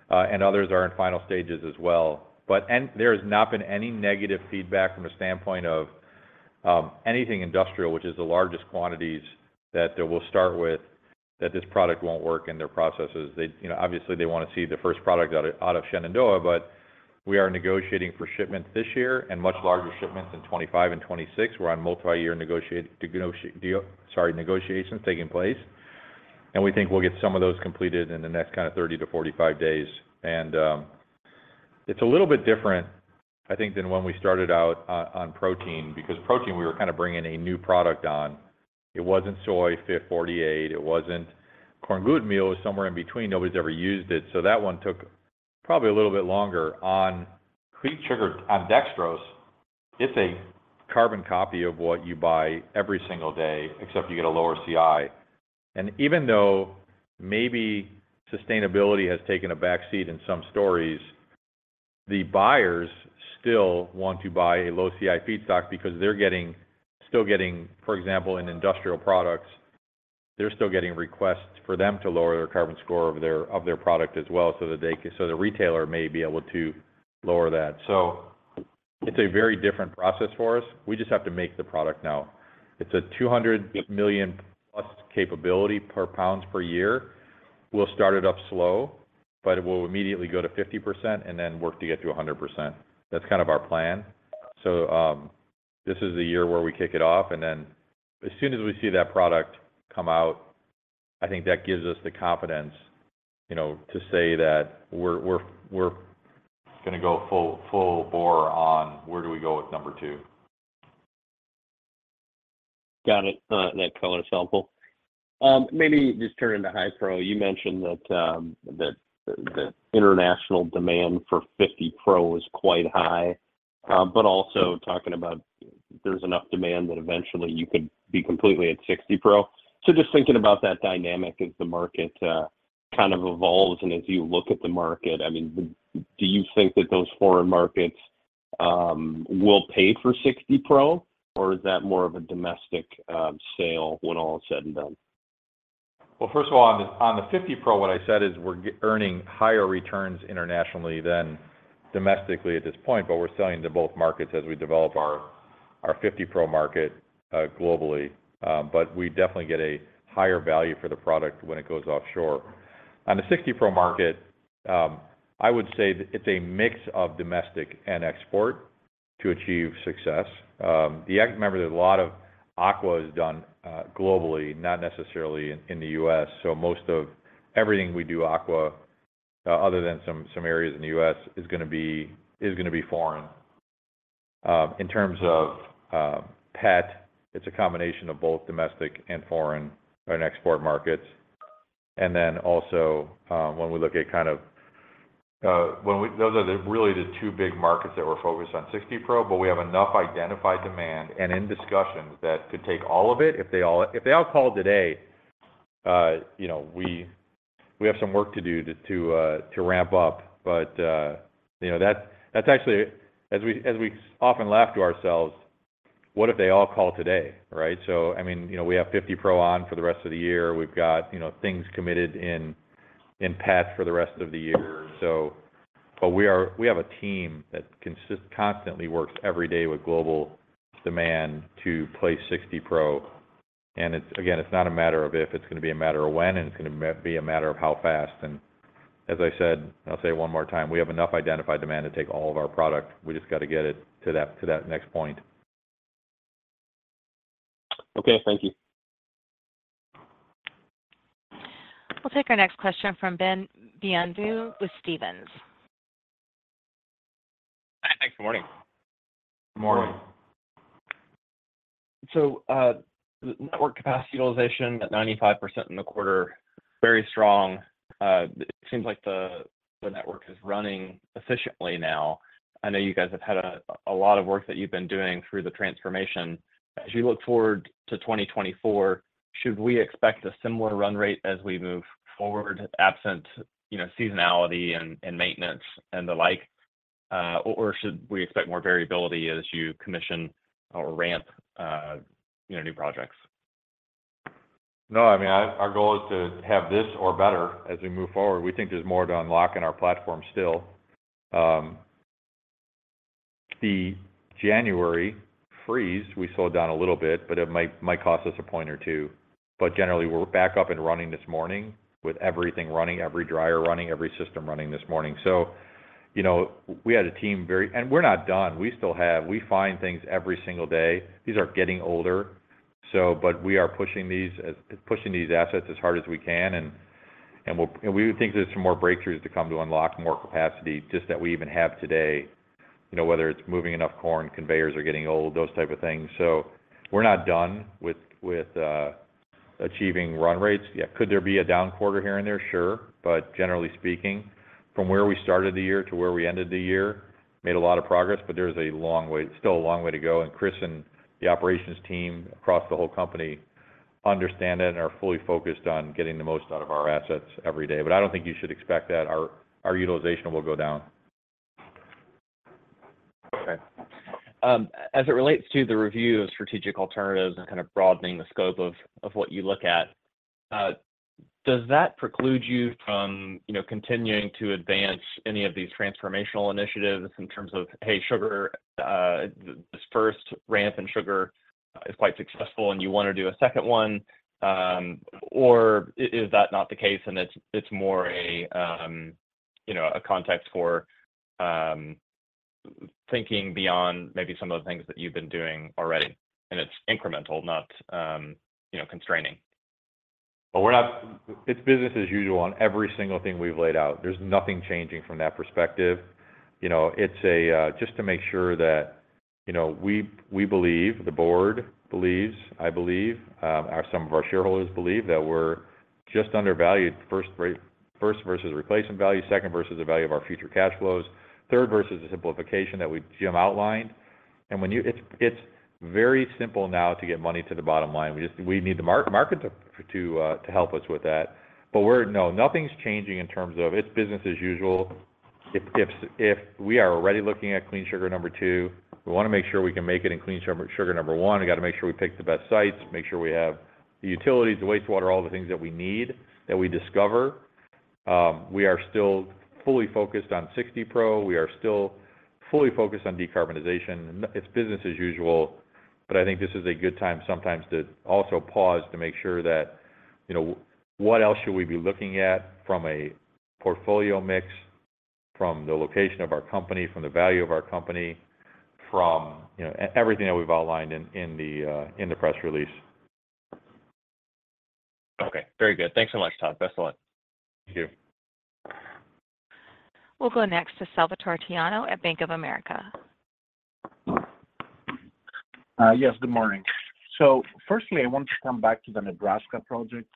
and others are in final stages as well. And there has not been any negative feedback from the standpoint of anything industrial, which is the largest quantities that they will start with, that this product won't work in their processes. They, you know, obviously, they wanna see the first product out of Shenandoah, but we are negotiating for shipments this year and much larger shipments in 2025 and 2026. We're on multi-year negotiations taking place, and we think we'll get some of those completed in the next kind of 30-45 days. And, it's a little bit different, I think, than when we started out on protein, because protein, we were kind of bringing a new product on. It wasn't Soy 48, it wasn't corn gluten meal. It was somewhere in between. Nobody's ever used it, so that one took probably a little bit longer. On beet sugar, on dextrose, it's a carbon copy of what you buy every single day, except you get a lower CI. And even though maybe sustainability has taken a backseat in some stories, the buyers still want to buy a low CI feedstock because they're getting, still getting, for example, in industrial products, they're still getting requests for them to lower their carbon score of their, of their product as well, so that they can, so the retailer may be able to lower that. So it's a very different process for us. We just have to make the product now. It's a 200 million+ capability per pounds per year. We'll start it up slow, but it will immediately go to 50% and then work to get to 100%. That's kind of our plan. This is the year where we kick it off, and then as soon as we see that product come out, I think that gives us the confidence, you know, to say that we're gonna go full bore on where do we go with number two? Got it, Nick Keller, Stephens. Maybe just turn intoHi-Pro. You mentioned that international demand for 50-Pro is quite high, but also talking about there's enough demand that eventually you could be completely at 60-Pro. So just thinking about that dynamic as the market kind of evolves and as you look at the market, I mean, do you think that those foreign markets will pay for 60-Pro, or is that more of a domestic sale when all is said and done? Well, first of all, on the 50 ro, what I said is we're earning higher returns internationally than domestically at this point, but we're selling to both markets as we develop our 50-Pro market globally. But we definitely get a higher value for the product when it goes offshore. On the 60-Pro market, I would say it's a mix of domestic and export to achieve success. Remember that a lot of aqua is done globally, not necessarily in the U.S. So most of everything we do aqua, other than some areas in the U.S., is gonna be foreign. In terms of pet, it's a combination of both domestic and foreign and export markets. And then also, when we look at kind of, those are really the two big markets that we're focused on 60 pro, but we have enough identified demand and in discussions that could take all of it. If they all called today, you know, we have some work to do to ramp up. But, you know, that's actually as we often laugh to ourselves, what if they all call today, right? So, I mean, you know, we have 50-Pro on for the rest of the year. We've got, you know, things committed in path for the rest of the year. So, but we are, we have a team that constantly works every day with global demand to place 60 pro. It's, again, it's not a matter of if, it's gonna be a matter of when, and it's gonna be a matter of how fast. As I said, I'll say it one more time, we have enough identified demand to take all of our product. We just got to get it to that, to that next point. Okay, thank you. We'll take our next question from Ben Bienvenu with Stephens. Hi. Thanks. Good morning. Good morning. So, network capacity utilization at 95% in the quarter, very strong. It seems like the, the network is running efficiently now. I know you guys have had a, a lot of work that you've been doing through the transformation. As you look forward to 2024, should we expect a similar run rate as we move forward, absent, you know, seasonality and, and maintenance and the like? Or should we expect more variability as you commission or ramp, new projects? No, I mean, our, our goal is to have this or better as we move forward. We think there's more to unlock in our platform still. The January freeze, we slowed down a little bit, but it might, might cost us a point or two. But generally, we're back up and running this morning with everything running, every dryer running, every system running this morning. So, you know, we had a team very and we're not done. We still have. We find things every single day. These are getting older, so, but we are pushing these as, pushing these assets as hard as we can, and, and we'll, and we would think there's some more breakthroughs to come to unlock more capacity, just that we even have today, you know, whether it's moving enough corn, conveyors are getting old, those type of things. So we're not done with achieving run rates yet. Could there be a down quarter here and there? Sure. But generally speaking... From where we started the year to where we ended the year, made a lot of progress, but there's a long way, still a long way to go, and Chris and the operations team across the whole company understand it and are fully focused on getting the most out of our assets every day. But I don't think you should expect that our utilization will go down. Okay. As it relates to the review of strategic alternatives and kind of broadening the scope of what you look at, does that preclude you from, you know, continuing to advance any of these transformational initiatives in terms of, hey, Sugar, this first ramp in Sugar is quite successful and you want to do a second one? Or is that not the case, and it's more a, you know, a context for thinking beyond maybe some of the things that you've been doing already, and it's incremental, not, you know, constraining? Well, it's business as usual on every single thing we've laid out. There's nothing changing from that perspective. You know, it's a just to make sure that, you know, we, we believe, the board believes, I believe, some of our shareholders believe that we're just undervalued, first, versus replacement value. Second, versus the value of our future cash flows. Third, versus the simplification that Jim outlined. And when you, it's, it's very simple now to get money to the bottom line. We just we need the market to help us with that. But we're. No, nothing's changing in terms of, it's business as usual. If we are already looking at Clean Sugar number two, we want to make sure we can make it in Clean Sugar number one. We got to make sure we pick the best sites, make sure we have the utilities, the wastewater, all the things that we need, that we discover. We are still fully focused on 60 pro. We are still fully focused on decarbonization. It's business as usual, but I think this is a good time sometimes to also pause to make sure that, you know, what else should we be looking at from a portfolio mix, from the location of our company, from the value of our company, from, you know, everything that we've outlined in the press release. Okay. Very good. Thanks so much, Todd. Best of luck. Thank you. We'll go next to Salvator Tiano at Bank of America. Yes, good morning. So firstly, I want to come back to the Nebraska project,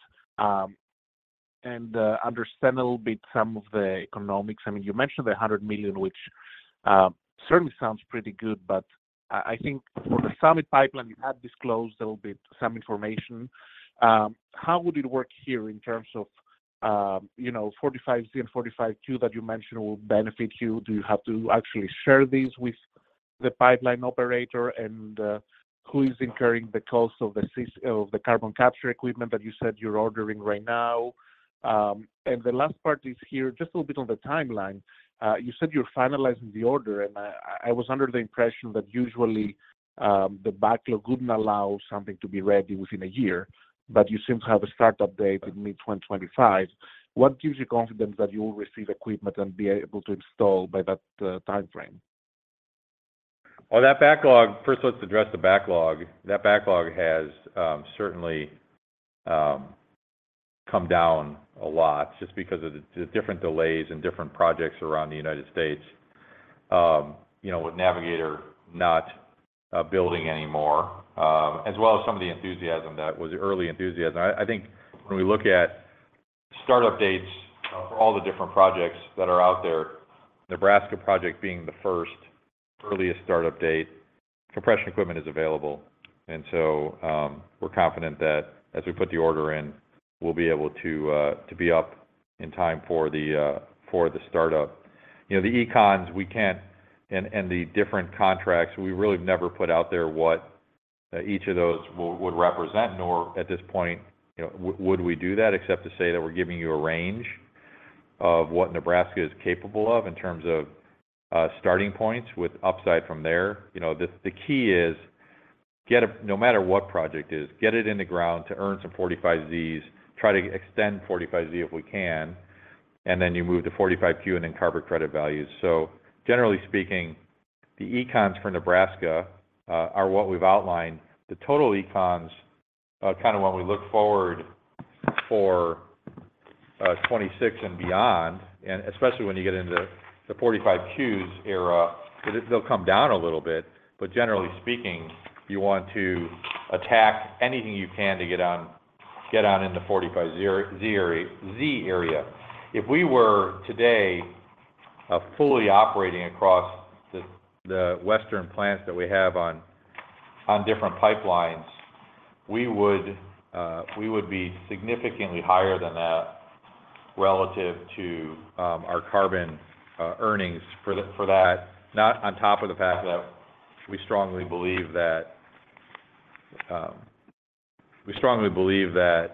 and understand a little bit some of the economics. I mean, you mentioned the $100 million, which certainly sounds pretty good, but I think for the Summit pipeline, you have disclosed a little bit some information. How would it work here in terms of, you know, 45Z and 45Q that you mentioned will benefit you? Do you have to actually share these with the pipeline operator? And who is incurring the cost of the carbon capture equipment that you said you're ordering right now? And the last part is here, just a little bit on the timeline. You said you're finalizing the order, and I, I was under the impression that usually, the backlog wouldn't allow something to be ready within a year, but you seem to have a start up date in mid-2025. What gives you confidence that you will receive equipment and be able to install by that time frame? Well, that backlog—First, let's address the backlog. That backlog has certainly come down a lot just because of the different delays and different projects around the United States. You know, with Navigator not building anymore, as well as some of the enthusiasm that was early enthusiasm. I think when we look at startup dates for all the different projects that are out there, Nebraska project being the first earliest startup date, compression equipment is available, and so, we're confident that as we put the order in, we'll be able to be up in time for the startup. You know, the econs, we can't... The different contracts, we really have never put out there what each of those would represent, nor at this point, you know, would we do that except to say that we're giving you a range of what Nebraska is capable of in terms of starting points with upside from there. You know, the key is, no matter what project is, get it in the ground to earn some 45Zs, try to extend 45Z if we can, and then you move to 45Q, and then carbon credit values. So generally speaking, the econs for Nebraska are what we've outlined. The total econs, kind of when we look forward for 2026 and beyond, and especially when you get into the 45Qs era, they'll come down a little bit. But generally speaking, you want to attack anything you can to get on in the 45Z area. If we were today fully operating across the Western plants that we have on different pipelines, we would be significantly higher than that relative to our carbon earnings for that, not on top of the fact that we strongly believe that. We strongly believe that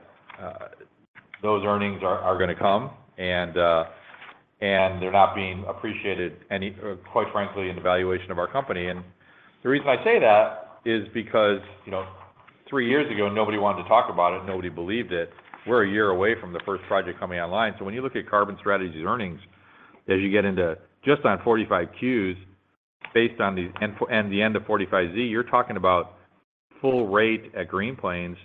those earnings are gonna come, and they're not being appreciated any, quite frankly, in the valuation of our company. And the reason I say that is because, you know, three years ago, nobody wanted to talk about it, nobody believed it. We're a year away from the first project coming online. So when you look at carbon strategies earnings, as you get into just on 45Qs, based on the end of 45Z, you're talking about full rate at Green Plains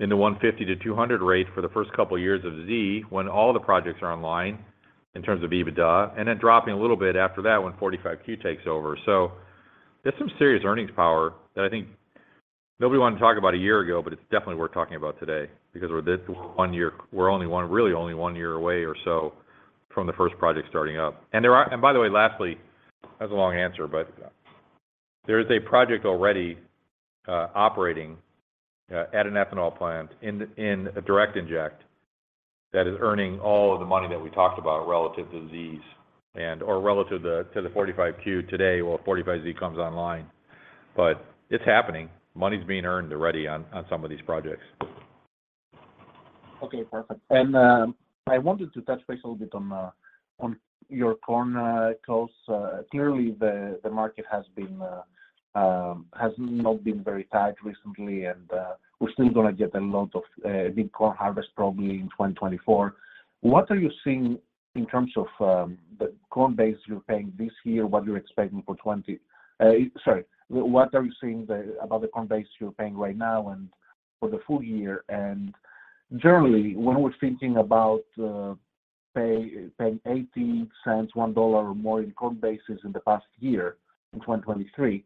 in the $150-$200 rate for the first couple of years of Z, when all the projects are online in terms of EBITDA, and then dropping a little bit after that when 45Q takes over. So there's some serious earnings power that I think... Nobody wanted to talk about a year ago, but it's definitely worth talking about today, because we're this one year—we're only one, really only one year away or so from the first project starting up. By the way, lastly, that's a long answer, but there is a project already operating at an ethanol plant in a direct inject that is earning all of the money that we talked about relative to 45Z, or relative to the 45Q today, well, 45Z comes online. But it's happening. Money's being earned already on some of these projects. Okay, perfect. And, I wanted to touch base a little bit on your corn costs. Clearly, the market has not been very tight recently, and, we're still going to get a lot of big corn harvest, probably in 2024. What are you seeing in terms of the corn basis you're paying this year, what you're expecting for 2024, what are you seeing about the corn basis you're paying right now and for the full year? And generally, when we're thinking about paying $0.80, $1 or more in corn basis in the past year, in 2023,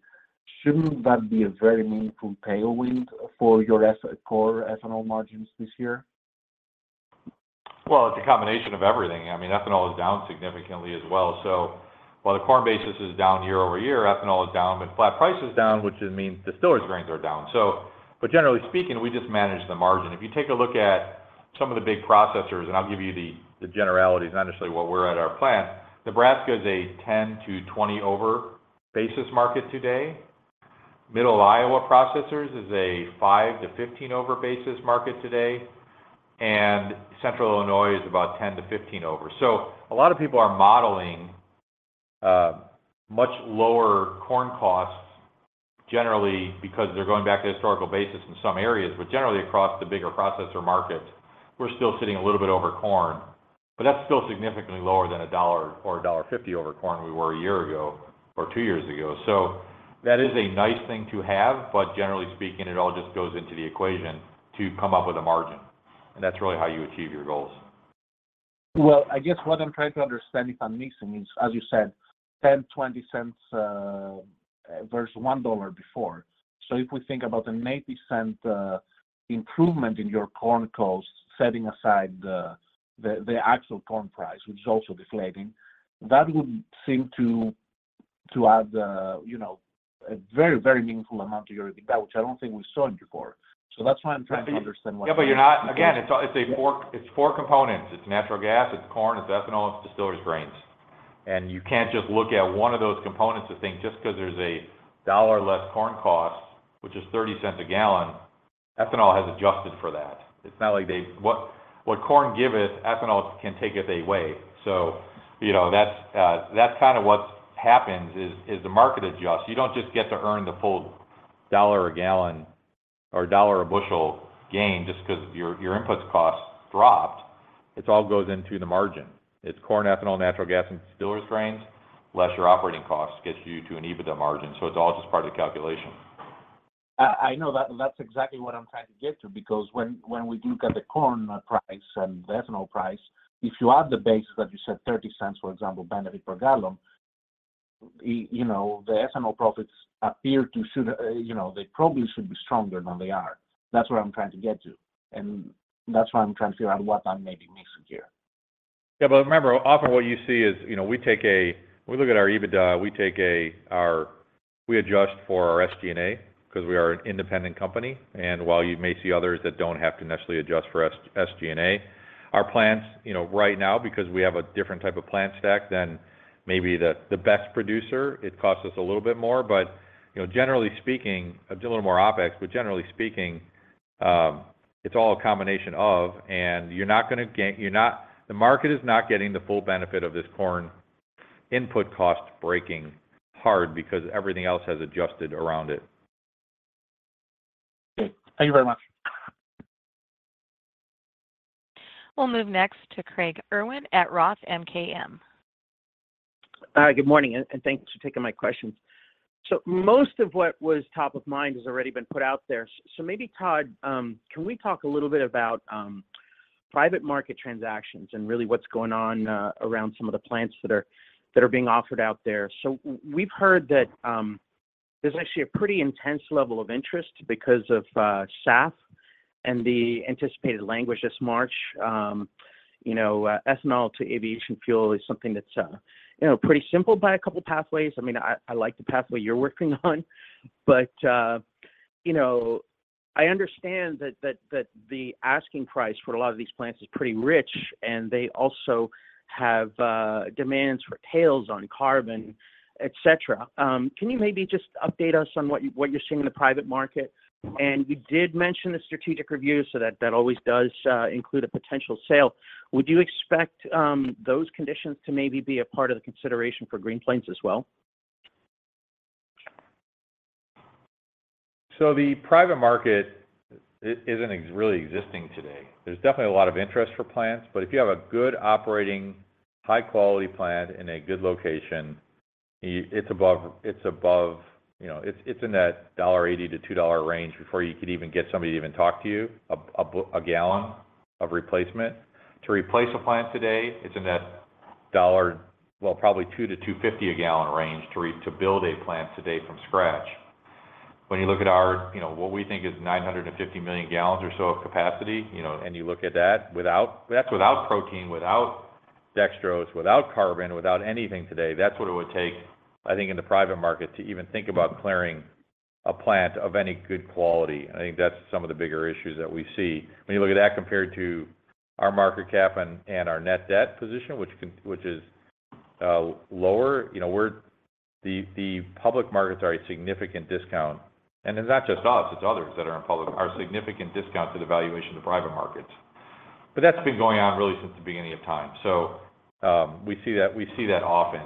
shouldn't that be a very meaningful tailwind for your core ethanol margins this year? Well, it's a combination of everything. I mean, ethanol is down significantly as well. So while the corn basis is down year-over-year, ethanol is down, but flat price is down, which it means distillers grains are down. So, but generally speaking, we just manage the margin. If you take a look at some of the big processors, and I'll give you the generalities, not necessarily what we're at our plant. Nebraska is a 10-20 over basis market today. Middle Iowa processors is a five-15 over basis market today, and Central Illinois is about 10-15 over. So a lot of people are modeling much lower corn costs, generally because they're going back to historical basis in some areas, but generally across the bigger processor markets, we're still sitting a little bit over corn, but that's still significantly lower than $1 or $1.50 over corn we were a year ago or two years ago. So that is a nice thing to have, but generally speaking, it all just goes into the equation to come up with a margin, and that's really how you achieve your goals. Well, I guess what I'm trying to understand, if I'm missing, is, as you said, $0.10-$0.20 versus $1 before. So if we think about a $0.80 improvement in your corn costs, setting aside the actual corn price, which is also deflating, that would seem to add, you know, a very, very meaningful amount to your EBITDA, which I don't think we saw it before. So that's why I'm trying to understand what- Yeah, but you're not. Again, it's four components: It's natural gas, it's corn, it's ethanol, it's distillers grains. And you can't just look at one of those components and think just because there's $1 less corn cost, which is $0.30 a gallon, ethanol has adjusted for that. It's not like what corn giveth, ethanol can take it away. So you know, that's kind of what's happened, the market adjusts. You don't just get to earn the full $1 a gallon or $1 a bushel gain just because your input costs dropped. It all goes into the margin. It's corn, ethanol, natural gas, and distillers grains, less your operating costs, gets you to an EBITDA margin. So it's all just part of the calculation. I know that that's exactly what I'm trying to get to, because when we look at the corn price and the ethanol price, if you add the basis that you said $0.30, for example, benefit per gallon, you know, the ethanol profits appear to should, you know, they probably should be stronger than they are. That's where I'm trying to get to, and that's why I'm trying to figure out what I'm maybe missing here. Yeah, but remember, often what you see is, you know, when we look at our EBITDA, we adjust for our SG&A, because we are an independent company, and while you may see others that don't have to necessarily adjust for SG&A, our plants, you know, right now, because we have a different type of plant stack than maybe the best producer, it costs us a little bit more, but, you know, generally speaking, a little more OpEx, but generally speaking, it's all a combination of, and the market is not getting the full benefit of this corn input cost breaking hard because everything else has adjusted around it. Thank you very much. We'll move next to Craig Irwin at Roth MKM. Good morning, and thanks for taking my questions. So most of what was top of mind has already been put out there. So maybe, Todd, can we talk a little bit about private market transactions and really what's going on around some of the plants that are being offered out there? So we've heard that there's actually a pretty intense level of interest because of SAF and the anticipated language this March. You know, ethanol to aviation fuel is something that's you know, pretty simple by a couple of pathways. I mean, I like the pathway you're working on, but you know, I understand that the asking price for a lot of these plants is pretty rich, and they also have demands for tails on carbon, et cetera. Can you maybe just update us on what you're seeing in the private market? And you did mention the strategic review, so that always does include a potential sale. Would you expect those conditions to maybe be a part of the consideration for Green Plains as well? So the private market isn't really existing today. There's definitely a lot of interest for plants, but if you have a good operating, high-quality plant in a good location, it's above, it's above, you know, it's, it's in that $1.80-$2 range before you could even get somebody to even talk to you, a gallon of replacement. To replace a plant today, it's in that dollar, well, probably $2-$2.50 a gallon range to build a plant today from scratch. When you look at our, you know, what we think is 950 million gallons or so of capacity, you know, and you look at that without, that's without protein, without dextrose, without carbon, without anything today, that's what it would take, I think, in the private market, to even think about clearing a plant of any good quality. I think that's some of the bigger issues that we see. When you look at that compared to our market cap and our net debt position, which is lower, you know, we're the public markets are a significant discount, and it's not just us, it's others that are in public, are significant discounts to the valuation of the private markets. But that's been going on really since the beginning of time. So, we see that, we see that often.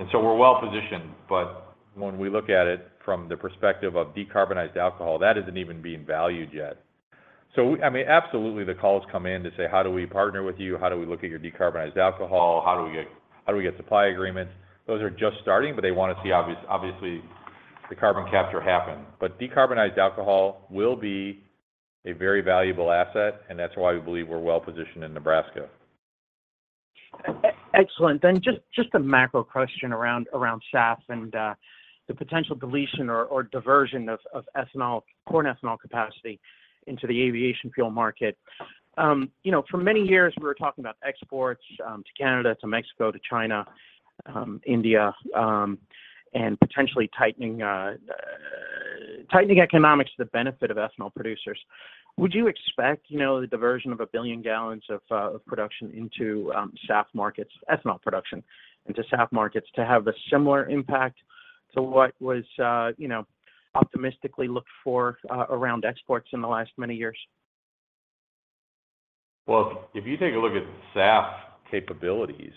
And so we're well positioned, but when we look at it from the perspective of decarbonized alcohol, that isn't even being valued yet. So, I mean, absolutely, the calls come in to say, "How do we partner with you? How do we look at your decarbonized alcohol? How do we get supply agreements?" Those are just starting, but they wanna see obviously, the carbon capture happen. But decarbonized alcohol will be a very valuable asset, and that's why we believe we're well positioned in Nebraska. Excellent. Then just a macro question around SAF and the potential deletion or diversion of ethanol, corn ethanol capacity into the aviation fuel market. You know, for many years, we were talking about exports to Canada, to Mexico, to China, India, and potentially tightening economics to the benefit of ethanol producers. Would you expect, you know, the diversion of 1 billion gallons of production into SAF markets, ethanol production into SAF markets, to have a similar impact to what was optimistically looked for around exports in the last many years? Well, if you take a look at SAF capabilities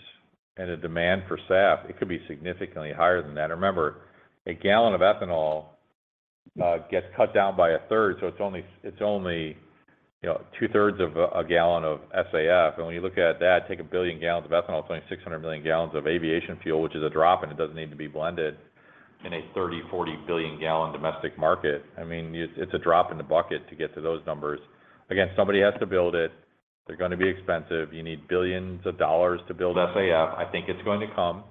and the demand for SAF, it could be significantly higher than that. Remember, a gallon of ethanol gets cut down by a third, so it's only, it's only, you know, two-thirds of a gallon of SAF. And when you look at that, take 1 billion gallons of ethanol, 2,600 million gallons of aviation fuel, which is a drop, and it doesn't need to be blended in a 30 billion-40 billion gallon domestic market. I mean, it's a drop in the bucket to get to those numbers. Again, somebody has to build it. They're gonna be expensive. You need billions of dollars to build SAF. I think it's going to come.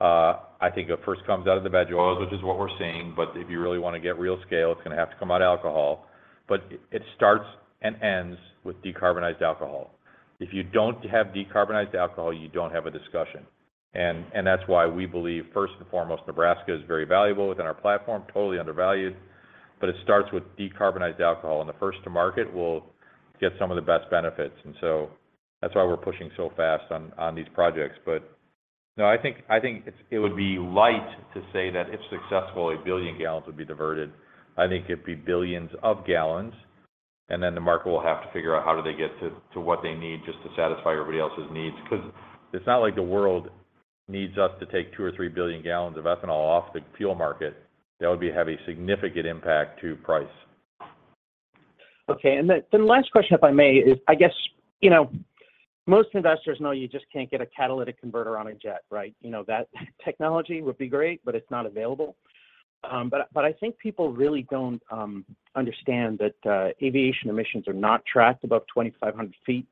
I think it first comes out of the veg oils, which is what we're seeing, but if you really wanna get real scale, it's gonna have to come out of alcohol. But it, it starts and ends with decarbonized alcohol. If you don't have decarbonized alcohol, you don't have a discussion. And, and that's why we believe, first and foremost, Nebraska is very valuable within our platform, totally undervalued, but it starts with decarbonized alcohol, and the first to market will get some of the best benefits. And so that's why we're pushing so fast on, on these projects. But no, I think, I think it's, it would be light to say that if successful, 1 billion gallons would be diverted. I think it'd be billions of gallons, and then the market will have to figure out how do they get to what they need just to satisfy everybody else's needs. 'Cause it's not like the world needs us to take 2 billion or 3 billion gallons of ethanol off the fuel market. That would have a significant impact to price. Okay, and then last question, if I may, is, I guess, you know, most investors know you just can't get a catalytic converter on a jet, right? You know, that technology would be great, but it's not available. But I think people really don't understand that aviation emissions are not tracked above 2,500 ft.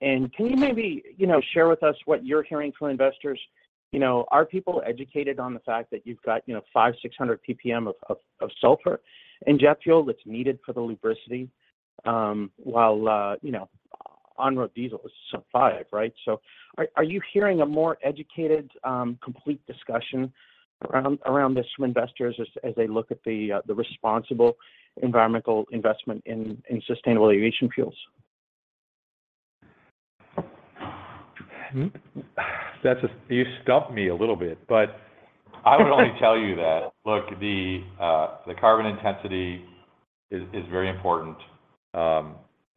And can you maybe, you know, share with us what you're hearing from investors? You know, are people educated on the fact that you've got, you know, 500 PPM-600 PPM of sulfur in jet fuel that's needed for the lubricity, while you know, on-road diesel is five, right? So are you hearing a more educated complete discussion around this from investors as they look at the responsible environmental investment in sustainable aviation fuels? You stumped me a little bit, but I would only tell you that, look, the carbon intensity is very important.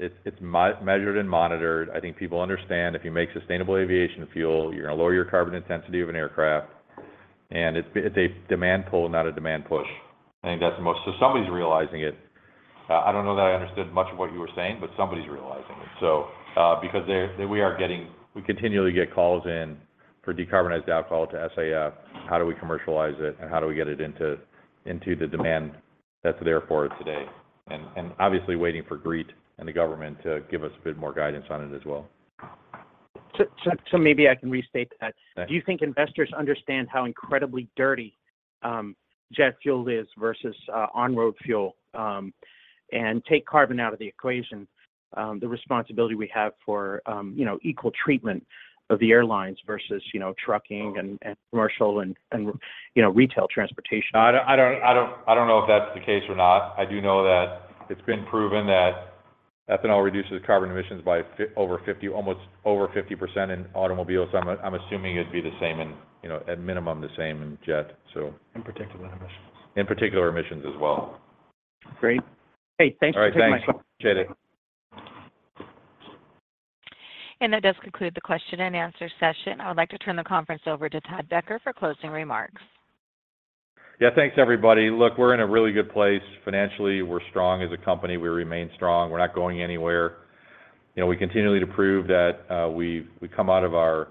It's measured and monitored. I think people understand if you make sustainable aviation fuel, you're gonna lower your carbon intensity of an aircraft, and it's a demand pull, not a demand push. I think that's the most... So somebody's realizing it. I don't know that I understood much of what you were saying, but somebody's realizing it. So, because we continually get calls in for decarbonized alcohol to SAF, how do we commercialize it, and how do we get it into the demand that's there for it today? And obviously waiting for GREET and the government to give us a bit more guidance on it as well. So, maybe I can restate that. Yeah. Do you think investors understand how incredibly dirty jet fuel is versus on-road fuel, and take carbon out of the equation, the responsibility we have for, you know, equal treatment of the airlines versus, you know, trucking and, you know, retail transportation? I don't know if that's the case or not. I do know that it's been proven that ethanol reduces carbon emissions by over 50, almost over 50% in automobiles. I'm assuming it'd be the same in, you know, at minimum, the same in jet, so. In particular, emissions. In particular, emissions as well. Great. Hey, thanks very much. All right, thanks. Jade. That does conclude the question and answer session. I would like to turn the conference over to Todd Becker for closing remarks. Yeah, thanks, everybody. Look, we're in a really good place. Financially, we're strong as a company. We remain strong. We're not going anywhere. You know, we continue to prove that, we've come out of our,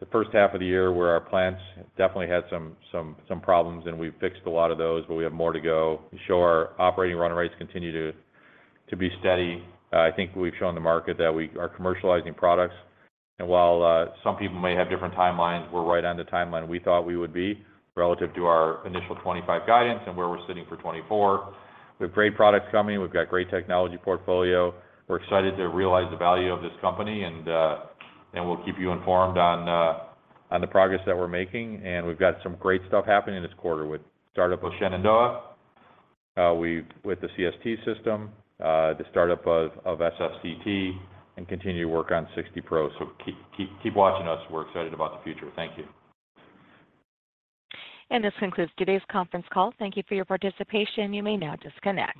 the first half of the year, where our plants definitely had some problems, and we've fixed a lot of those, but we have more to go. To show our operating run rates continue to be steady, I think we've shown the market that we are commercializing products, and while some people may have different timelines, we're right on the timeline we thought we would be relative to our initial 2025 guidance and where we're sitting for 2024. We have great products coming. We've got great technology portfolio. We're excited to realize the value of this company, and, and we'll keep you informed on, on the progress that we're making. And we've got some great stuff happening this quarter with startup of Shenandoah with the CST system, the startup of SFCT, and continue to work on 60 pro. So keep, keep, keep watching us. We're excited about the future. Thank you. This concludes today's conference call. Thank you for your participation. You may now disconnect.